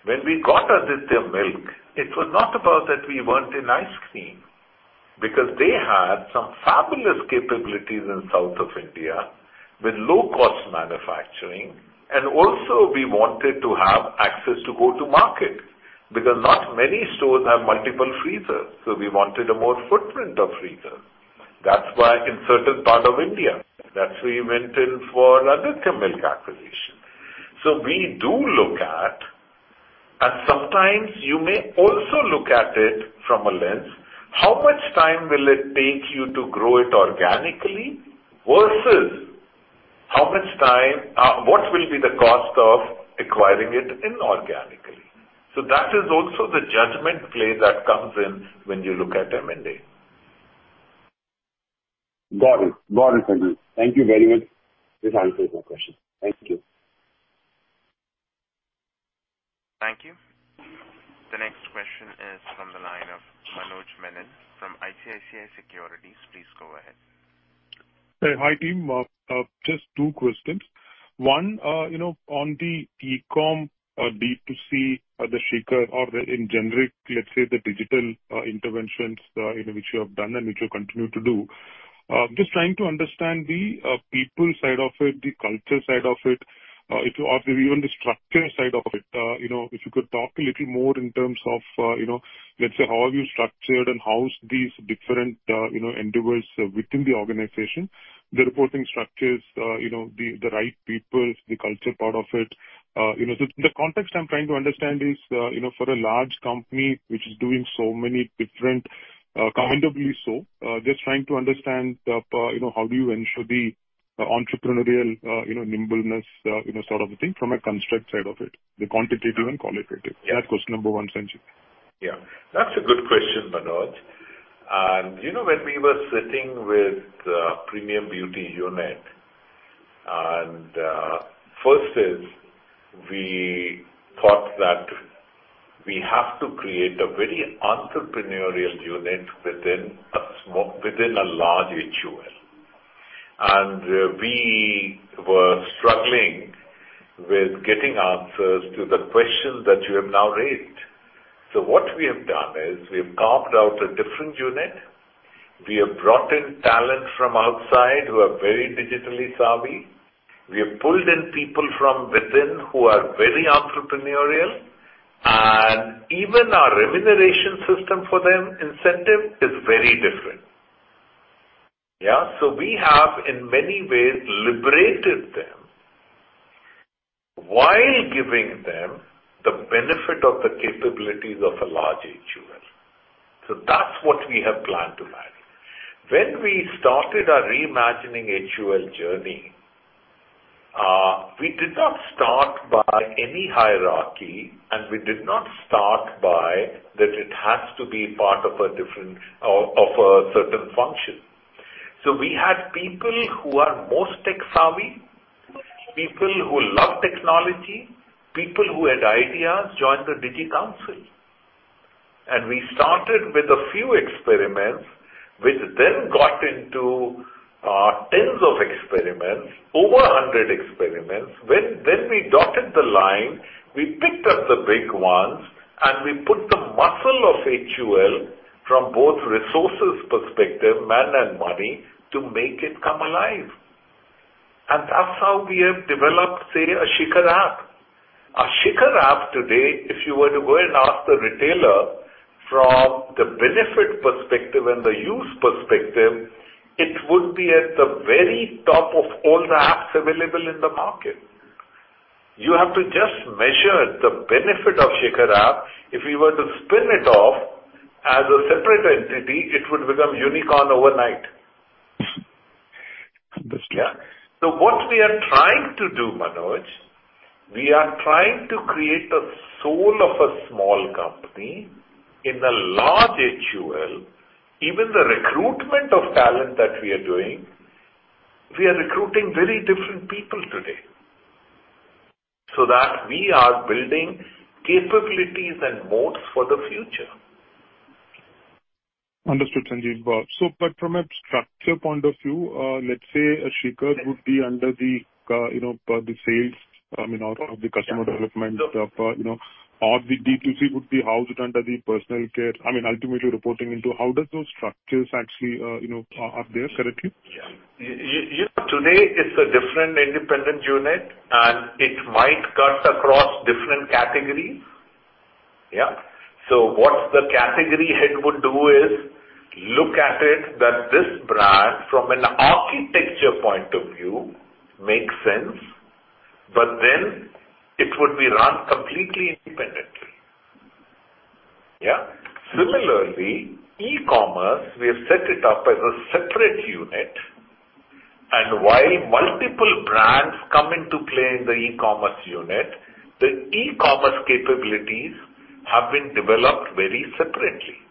Speaker 3: When we got Adityaa Milk, it was not about that we weren't in ice cream, because they had some fabulous capabilities in South of India with low-cost manufacturing, and also we wanted to have access to go-to-market. Not many stores have multiple freezers, so we wanted a more footprint of freezers. That's why in certain part of India, that's we went in for Adityaa Milk acquisition. We do look at, and sometimes you may also look at it from a lens, how much time will it take you to grow it organically versus what will be the cost of acquiring it inorganically. That is also the judgment play that comes in when you look at M&A.
Speaker 10: Got it. Got it, Sanjiv. Thank you very much. This answers my question. Thank you.
Speaker 1: Thank you. The next question is from the line of Manoj Menon from ICICI Securities. Please go ahead.
Speaker 11: Hi, team. Just two questions. One, on the e-com, D2C, the Shikhar or in generic, let's say, the digital interventions which you have done and which you continue to do. Just trying to understand the people side of it, the culture side of it, or even the structure side of it. If you could talk a little more in terms of, let's say, how have you structured and housed these different endeavors within the organization, the reporting structures, the right people, the culture part of it. The context I'm trying to understand is, for a large company which is doing so many different, commendably so, just trying to understand how do you ensure the entrepreneurial nimbleness sort of a thing from a construct side of it, the quantitative and qualitative? That's question number one, Sanjiv.
Speaker 3: Yeah. That's a good question, Manoj. When we were sitting with the Premium Beauty Unit, first is, we thought that we have to create a very entrepreneurial unit within a large HUL. We were struggling with getting answers to the questions that you have now raised. What we have done is we've carved out a different unit, we have brought in talent from outside who are very digitally savvy. We have pulled in people from within who are very entrepreneurial, and even our remuneration system for them, incentive, is very different. Yeah, we have in many ways liberated them while giving them the benefit of the capabilities of a large HUL. That's what we have planned to manage. When we started our Reimagining HUL journey, we did not start by any hierarchy, and we did not start by that it has to be part of a certain function. We had people who are most tech-savvy, people who love technology, people who had ideas join the Digital Council. We started with a few experiments, which then got into tens of experiments, over 100 experiments. When then we dotted the line, we picked up the big ones, and we put the muscle of HUL from both resources perspective, man and money, to make it come alive. That's how we have developed, say, a Shikhar app. A Shikhar app today, if you were to go and ask the retailer from the benefit perspective and the use perspective, it would be at the very top of all the apps available in the market. You have to just measure the benefit of Shikhar app. If we were to spin it off as a separate entity, it would become unicorn overnight.
Speaker 11: Understood.
Speaker 3: What we are trying to do, Manoj, we are trying to create a soul of a small company in a large HUL. Even the recruitment of talent that we are doing, we are recruiting very different people today, so that we are building capabilities and moats for the future.
Speaker 11: Understood, Sanjiv. From a structure point of view, let's say a Shikhar would be under the sales, or the customer development, or the D2C would be housed under the personal care, ultimately reporting into. How does those structures actually are there correctly?
Speaker 3: Yeah. Today it's a different independent unit, and it might cut across different categories. What the category head would do is look at it that this brand, from an architecture point of view, makes sense, but then it would be run completely independently. Yeah. Similarly, e-commerce, we have set it up as a separate unit, and while multiple brands come into play in the e-commerce unit, the e-commerce capabilities have been developed very separately.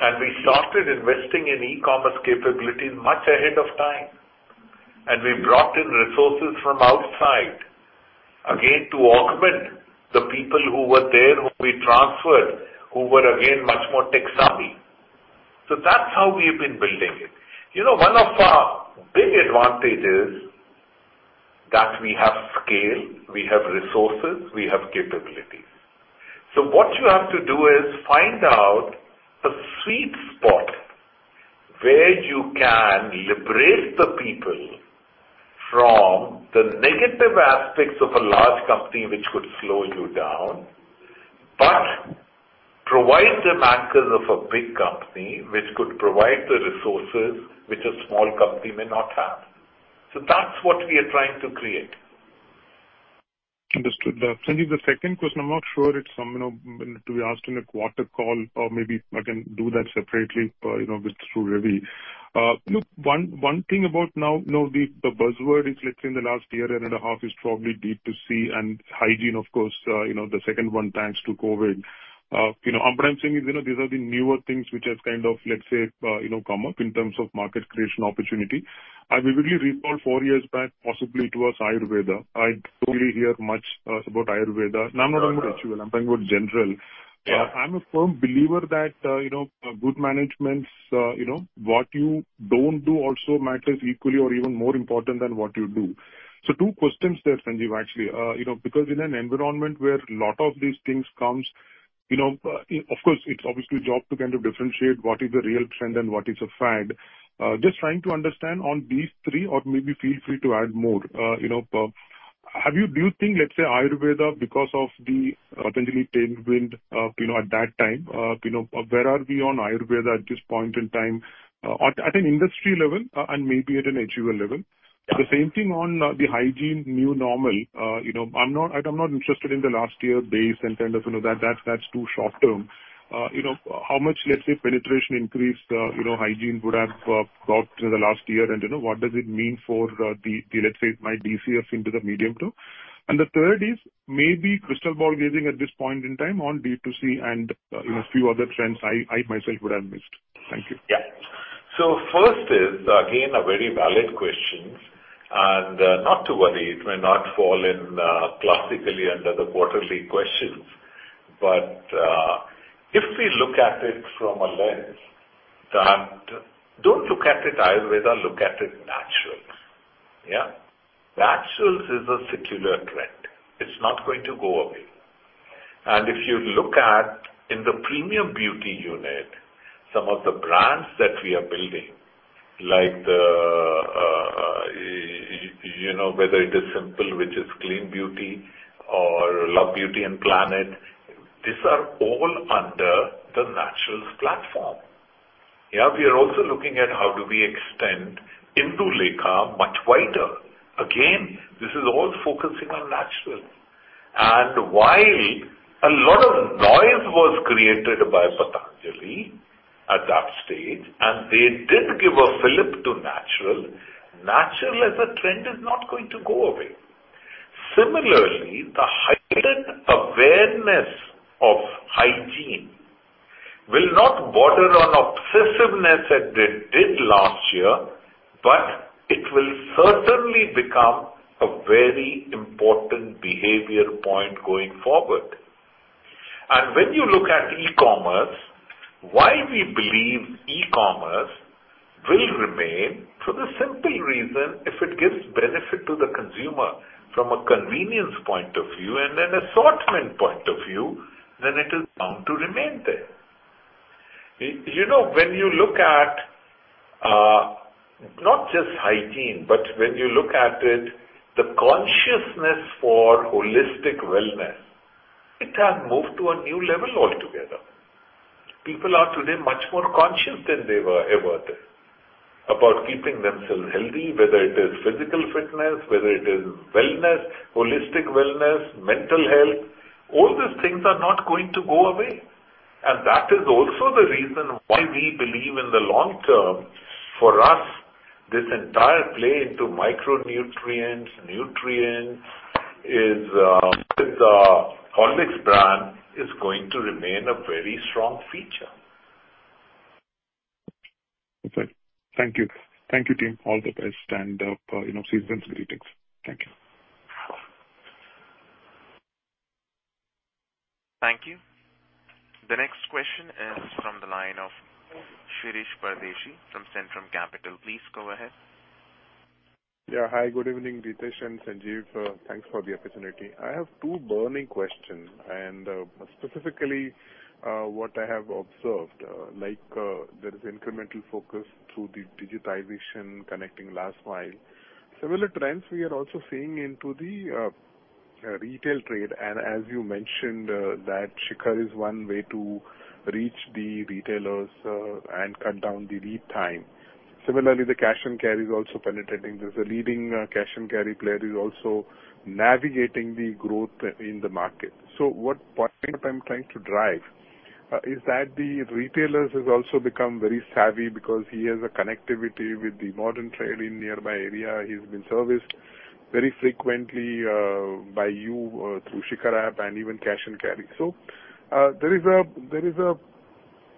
Speaker 3: We started investing in e-commerce capabilities much ahead of time. We brought in resources from outside, again, to augment the people who were there, who we transferred, who were again, much more tech-savvy. That's how we've been building it. One of our big advantage is that we have scale, we have resources, we have capabilities. What you have to do is find out the sweet spot where you can liberate the people from the negative aspects of a large company which could slow you down, but provide them anchors of a big company which could provide the resources which a small company may not have. That's what we are trying to create.
Speaker 11: Understood. Sanjiv, the second question, I'm not sure it's to be asked in a quarter call or maybe I can do that separately with through Ravi. One thing about now, the buzzword is, let's say, in the last year and a half is probably D2C and hygiene, of course, the second one, thanks to COVID. I'm saying is these are the newer things which has kind of, let's say, come up in terms of market creation opportunity. If we really recall four years back, possibly it was Ayurveda. I don't really hear much about Ayurveda. I'm not talking about HUL, I'm talking about general.
Speaker 3: Yeah.
Speaker 11: I'm a firm believer that good managements, what you don't do also matters equally or even more important than what you do. Two questions there, Sanjiv, actually. In an environment where lot of these things comes, of course, it's obviously job to kind of differentiate what is the real trend and what is a fad. Just trying to understand on these three, or maybe feel free to add more. Do you think, let's say, Ayurveda, because of the potentially tailwind at that time, where are we on Ayurveda at this point in time, at an industry level and maybe at an HUL level? The same thing on the hygiene new normal. I'm not interested in the last year base and kind of that's too short-term. How much, let's say, penetration increase hygiene would have got through the last year, and what does it mean for the, let's say, my thesis into the medium term? The third is maybe crystal ball gazing at this point in time on D2C and a few other trends I myself would have missed. Thank you.
Speaker 3: First is, again, a very valid question. Not to worry, it may not fall in classically under the quarterly questions. If we look at it from a lens that, don't look at it Ayurveda, look at it naturals. Naturals is a secular trend. It's not going to go away. If you look at in the Premium Beauty Business Unit, some of the brands that we are building, like whether it is Simple, which is clean beauty or Love Beauty and Planet, these are all under the naturals platform. We are also looking at how do we extend Indulekha much wider. Again, this is all focusing on natural. While a lot of noise was created by Patanjali at that stage, and they did give a fillip to natural as a trend is not going to go away. Similarly, the heightened awareness of hygiene will not border on obsessiveness as they did last year, but it will certainly become a very important behavior point going forward. When you look at e-commerce, why we believe e-commerce will remain for the simple reason, if it gives benefit to the consumer from a convenience point of view and an assortment point of view, then it is bound to remain there. When you look at not just hygiene, but when you look at it, the consciousness for holistic wellness, it has moved to a new level altogether. People are today much more conscious than they were ever there about keeping themselves healthy, whether it is physical fitness, whether it is wellness, holistic wellness, mental health. All these things are not going to go away. That is also the reason why we believe in the long term, for us, this entire play into micronutrients, nutrients with our Horlicks brand is going to remain a very strong feature.
Speaker 11: Perfect. Thank you. Thank you, team. All the best and seasonal greetings. Thank you.
Speaker 1: Thank you. The next question is from the line of Shirish Pardeshi from Centrum Capital. Please go ahead.
Speaker 12: Good evening, Ritesh and Sanjiv. Thanks for the opportunity. I have two burning questions. Specifically, what I have observed, like there is incremental focus through the digitization connecting last mile. Similar trends we are also seeing into the retail trade. As you mentioned, that Shikhar is one way to reach the retailers and cut down the lead time. Similarly, the cash and carry is also penetrating. There's a leading cash and carry player who's also navigating the growth in the market. What point I'm trying to drive is that the retailers has also become very savvy because he has a connectivity with the modern trade in nearby area. He's been serviced very frequently by you through Shikhar app and even Cash & Carry. There is a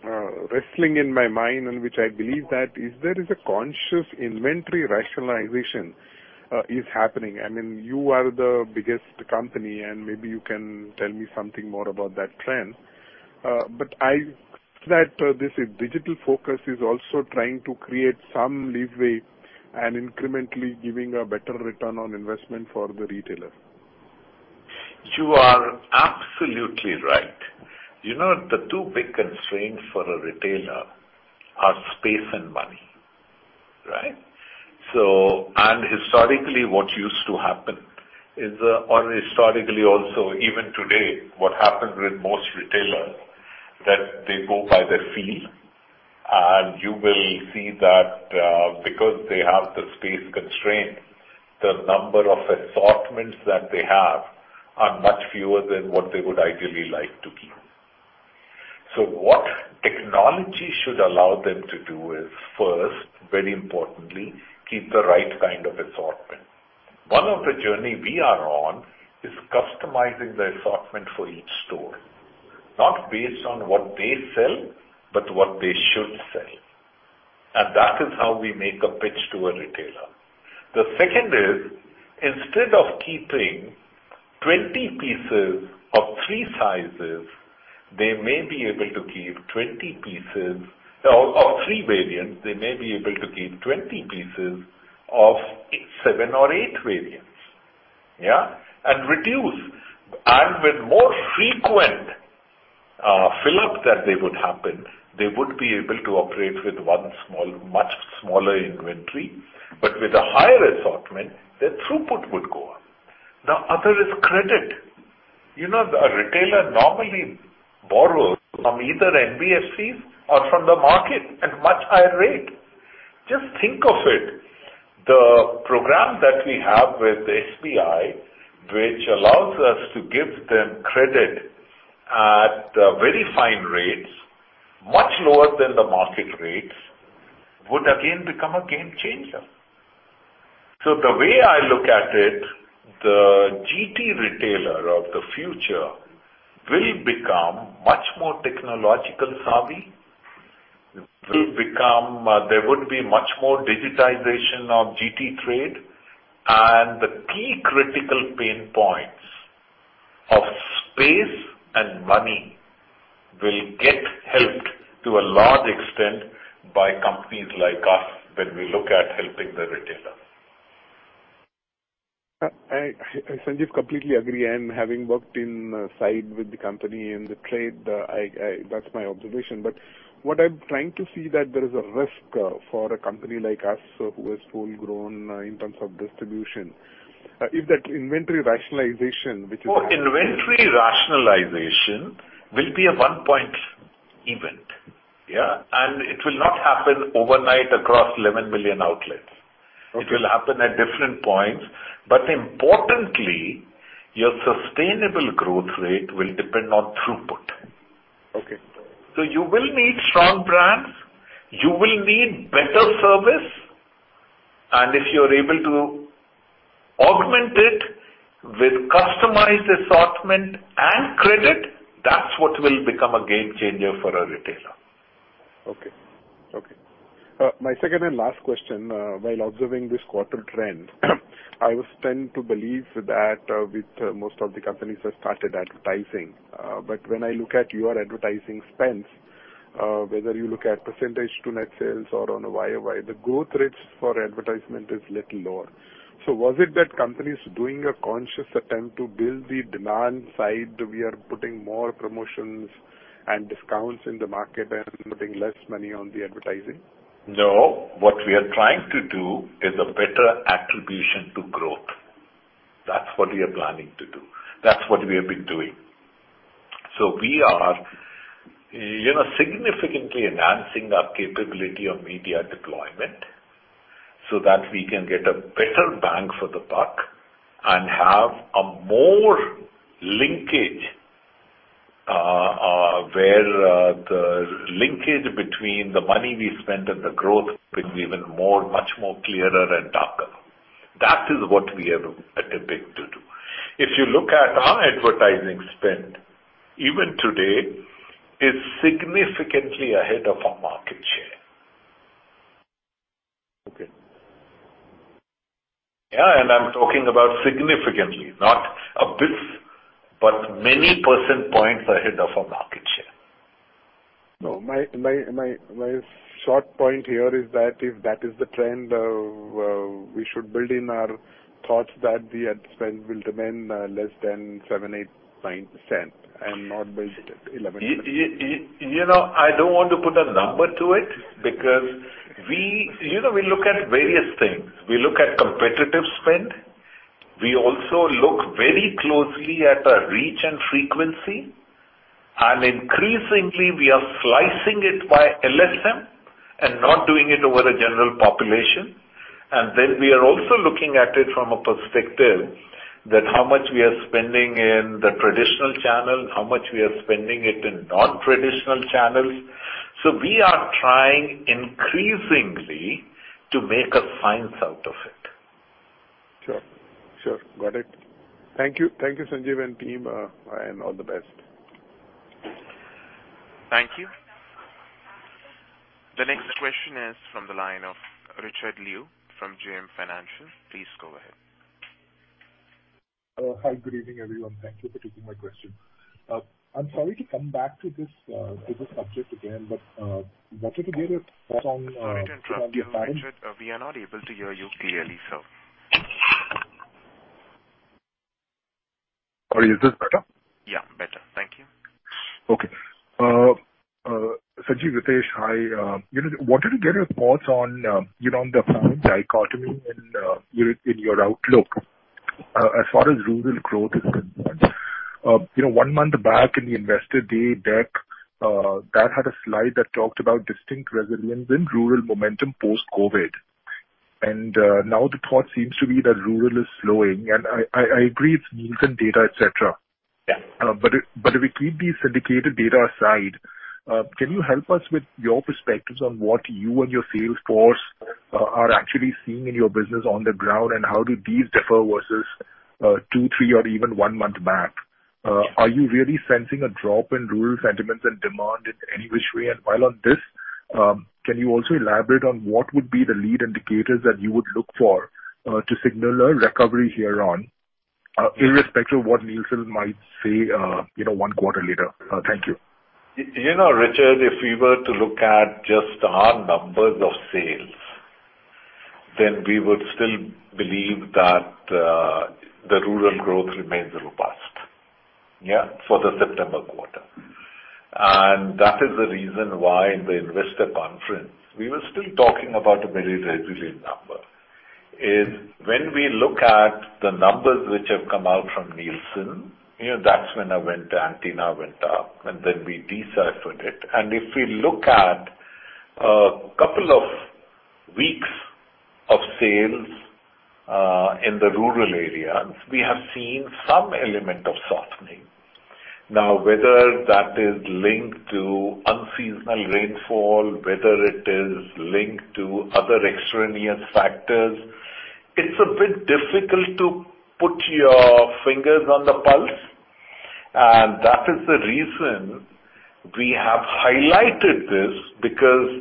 Speaker 12: wrestling in my mind in which I believe that there is a conscious inventory rationalization is happening. You are the biggest company, and maybe you can tell me something more about that trend. That this digital focus is also trying to create some leeway and incrementally giving a better ROI for the retailer.
Speaker 3: You are absolutely right. The two big constraints for a retailer are space and money. Right? Historically, what used to happen is, or historically also even today, what happens with most retailers, that they go by their feel. You will see that because they have the space constraint, the number of assortments that they have are much fewer than what they would ideally like to keep. What technology should allow them to do is first, very importantly, keep the right kind of assortment. One of the journey we are on is customizing the assortment for each store, not based on what they sell, but what they should sell. That is how we make a pitch to a retailer. The second is, instead of keeping 20 pieces of three sizes, they may be able to keep 20 pieces of three variants, they may be able to keep 20 pieces of seven or eight variants. Yeah? Reduce. With more frequent fill-ups that they would happen, they would be able to operate with much smaller inventory, but with a higher assortment, their throughput would go up. The other is credit. A retailer normally borrows from either NBFCs or from the market at much higher rate. Just think of it. The program that we have with SBI, which allows us to give them credit at very fine rates, much lower than the market rates, would again become a game changer. The way I look at it, the GT retailer of the future will become much more technological savvy. There would be much more digitization of GT trade, and the key critical pain points of space and money will get helped to a large extent by companies like us when we look at helping the retailer.
Speaker 12: I, Sanjiv, completely agree, and having worked inside with the company in the trade, that's my observation. What I'm trying to see that there is a risk for a company like us who is full grown in terms of distribution. If that inventory rationalization, which is
Speaker 3: Oh, inventory rationalization will be a one-point event. Yeah? It will not happen overnight across 11 million outlets.
Speaker 12: Okay.
Speaker 3: It will happen at different points, but importantly, your sustainable growth rate will depend on throughput.
Speaker 12: Okay.
Speaker 3: You will need strong brands, you will need better service, and if you're able to augment it with customized assortment and credit, that's what will become a game changer for a retailer.
Speaker 12: Okay. My second and last question, while observing this quarter trend, I would tend to believe that with most of the companies have started advertising. When I look at your advertising spends, whether you look at percentage to net sales or on a YOY, the growth rates for advertisement is little lower. Was it that companies doing a conscious attempt to build the demand side, we are putting more promotions and discounts in the market and putting less money on the advertising?
Speaker 3: No. What we are trying to do is a better attribution to growth. That's what we are planning to do. That's what we have been doing. We are significantly enhancing our capability on media deployment so that we can get a better bang for the buck and have a more linkage, where the linkage between the money we spend and the growth becomes even much more clearer and sharper. That is what we are attempting to do. If you look at our advertising spend, even today, is significantly ahead of our market share.
Speaker 12: Okay.
Speaker 3: Yeah, and I'm talking about significantly. Not a bit, but many percent points ahead of our market share.
Speaker 12: My short point here is that if that is the trend, we should build in our. Thoughts that the ad spend will remain less than 7%, 8%, 9% and not by 11%.
Speaker 3: I don't want to put a number to it because we look at various things. We look at competitive spend, we also look very closely at our reach and frequency. Increasingly we are slicing it by LSM and not doing it over the general population. Then we are also looking at it from a perspective that how much we are spending in the traditional channel, how much we are spending it in non-traditional channels. We are trying increasingly to make a science out of it.
Speaker 12: Sure. Got it. Thank you. Thank you, Sanjiv and team, and all the best.
Speaker 1: Thank you. The next question is from the line of Richard Liu from JM Financial. Please go ahead.
Speaker 13: Hi. Good evening, everyone. Thank you for taking my question. I'm sorry to come back to this subject again, wanted to get your thoughts on.
Speaker 1: Sorry to interrupt you, Richard. We are not able to hear you clearly, sir.
Speaker 13: Is this better?
Speaker 1: Yeah, better. Thank you.
Speaker 13: Okay. Sanjiv, Ritesh, hi. Wanted to get your thoughts on the dichotomy in your outlook, as far as rural growth is concerned. One month back in the Investor Day deck, that had a slide that talked about distinct resilience in rural momentum post-COVID. Now the thought seems to be that rural is slowing. I agree with Nielsen data, et cetera.
Speaker 3: Yeah.
Speaker 13: If we keep these syndicated data aside, can you help us with your perspectives on what you and your sales force are actually seeing in your business on the ground, and how do these differ versus two, three, or even one month back? Are you really sensing a drop in rural sentiments and demand in any which way? While on this, can you also elaborate on what would be the lead indicators that you would look for to signal a recovery here on, irrespective of what Nielsen might say one quarter later? Thank you.
Speaker 3: Richard, if we were to look at just our numbers of sales, then we would still believe that the rural growth remains robust.
Speaker 13: Yeah.
Speaker 3: For the September quarter. That is the reason why in the investor conference, we were still talking about a very resilient number, is when we look at the numbers which have come out from Nielsen, that's when antenna went up, and then we deciphered it. If we look at a couple of weeks of sales in the rural areas, we have seen some element of softening. Now, whether that is linked to unseasonal rainfall, whether it is linked to other extraneous factors, it's a bit difficult to put your fingers on the pulse. That is the reason we have highlighted this, because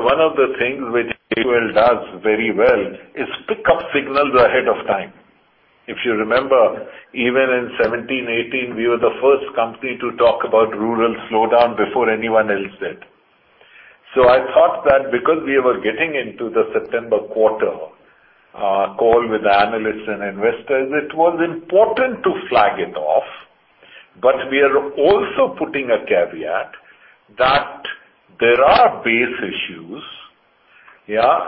Speaker 3: one of the things which HUL does very well is pick up signals ahead of time. If you remember, even in 2017, 2018, we were the first company to talk about rural slowdown before anyone else did. I thought that because we were getting into the September quarter call with the analysts and investors, it was important to flag it off. We are also putting a caveat that there are base issues. Yeah.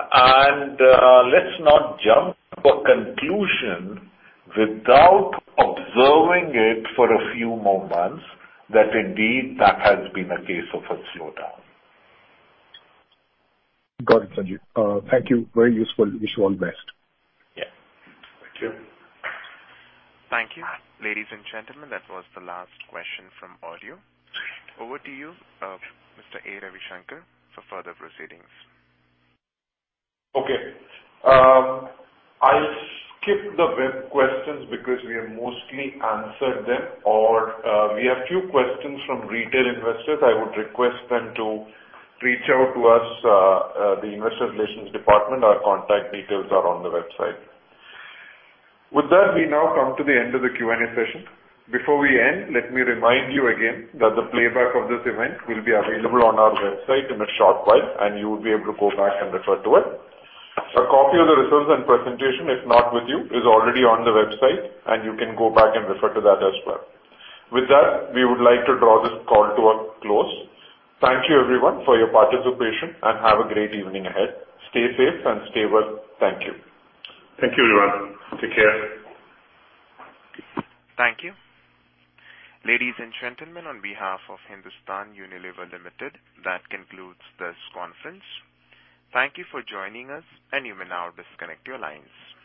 Speaker 3: Let's not jump to a conclusion without observing it for a few more months that indeed that has been a case of a slowdown.
Speaker 13: Got it, Sanjiv. Thank you. Very useful. Wish you all the best.
Speaker 3: Yeah. Thank you.
Speaker 1: Thank you. Ladies and gentlemen, that was the last question from audio. Over to you, Mr. A. Ravishankar, for further proceedings.
Speaker 2: Okay. I'll skip the web questions because we have mostly answered them, or we have few questions from retail investors. I would request them to reach out to us, the investor relations department. Our contact details are on the website. With that, we now come to the end of the Q&A session. Before we end, let me remind you again that the playback of this event will be available on our website in a short while, you will be able to go back and refer to it. A copy of the results and presentation, if not with you, is already on the website, you can go back and refer to that as well. With that, we would like to draw this call to a close. Thank you everyone for your participation, and have a great evening ahead. Stay safe and stay well. Thank you.
Speaker 3: Thank you, everyone. Take care.
Speaker 1: Thank you. Ladies and gentlemen, on behalf of Hindustan Unilever Limited, that concludes this conference. Thank you for joining us. You may now disconnect your lines.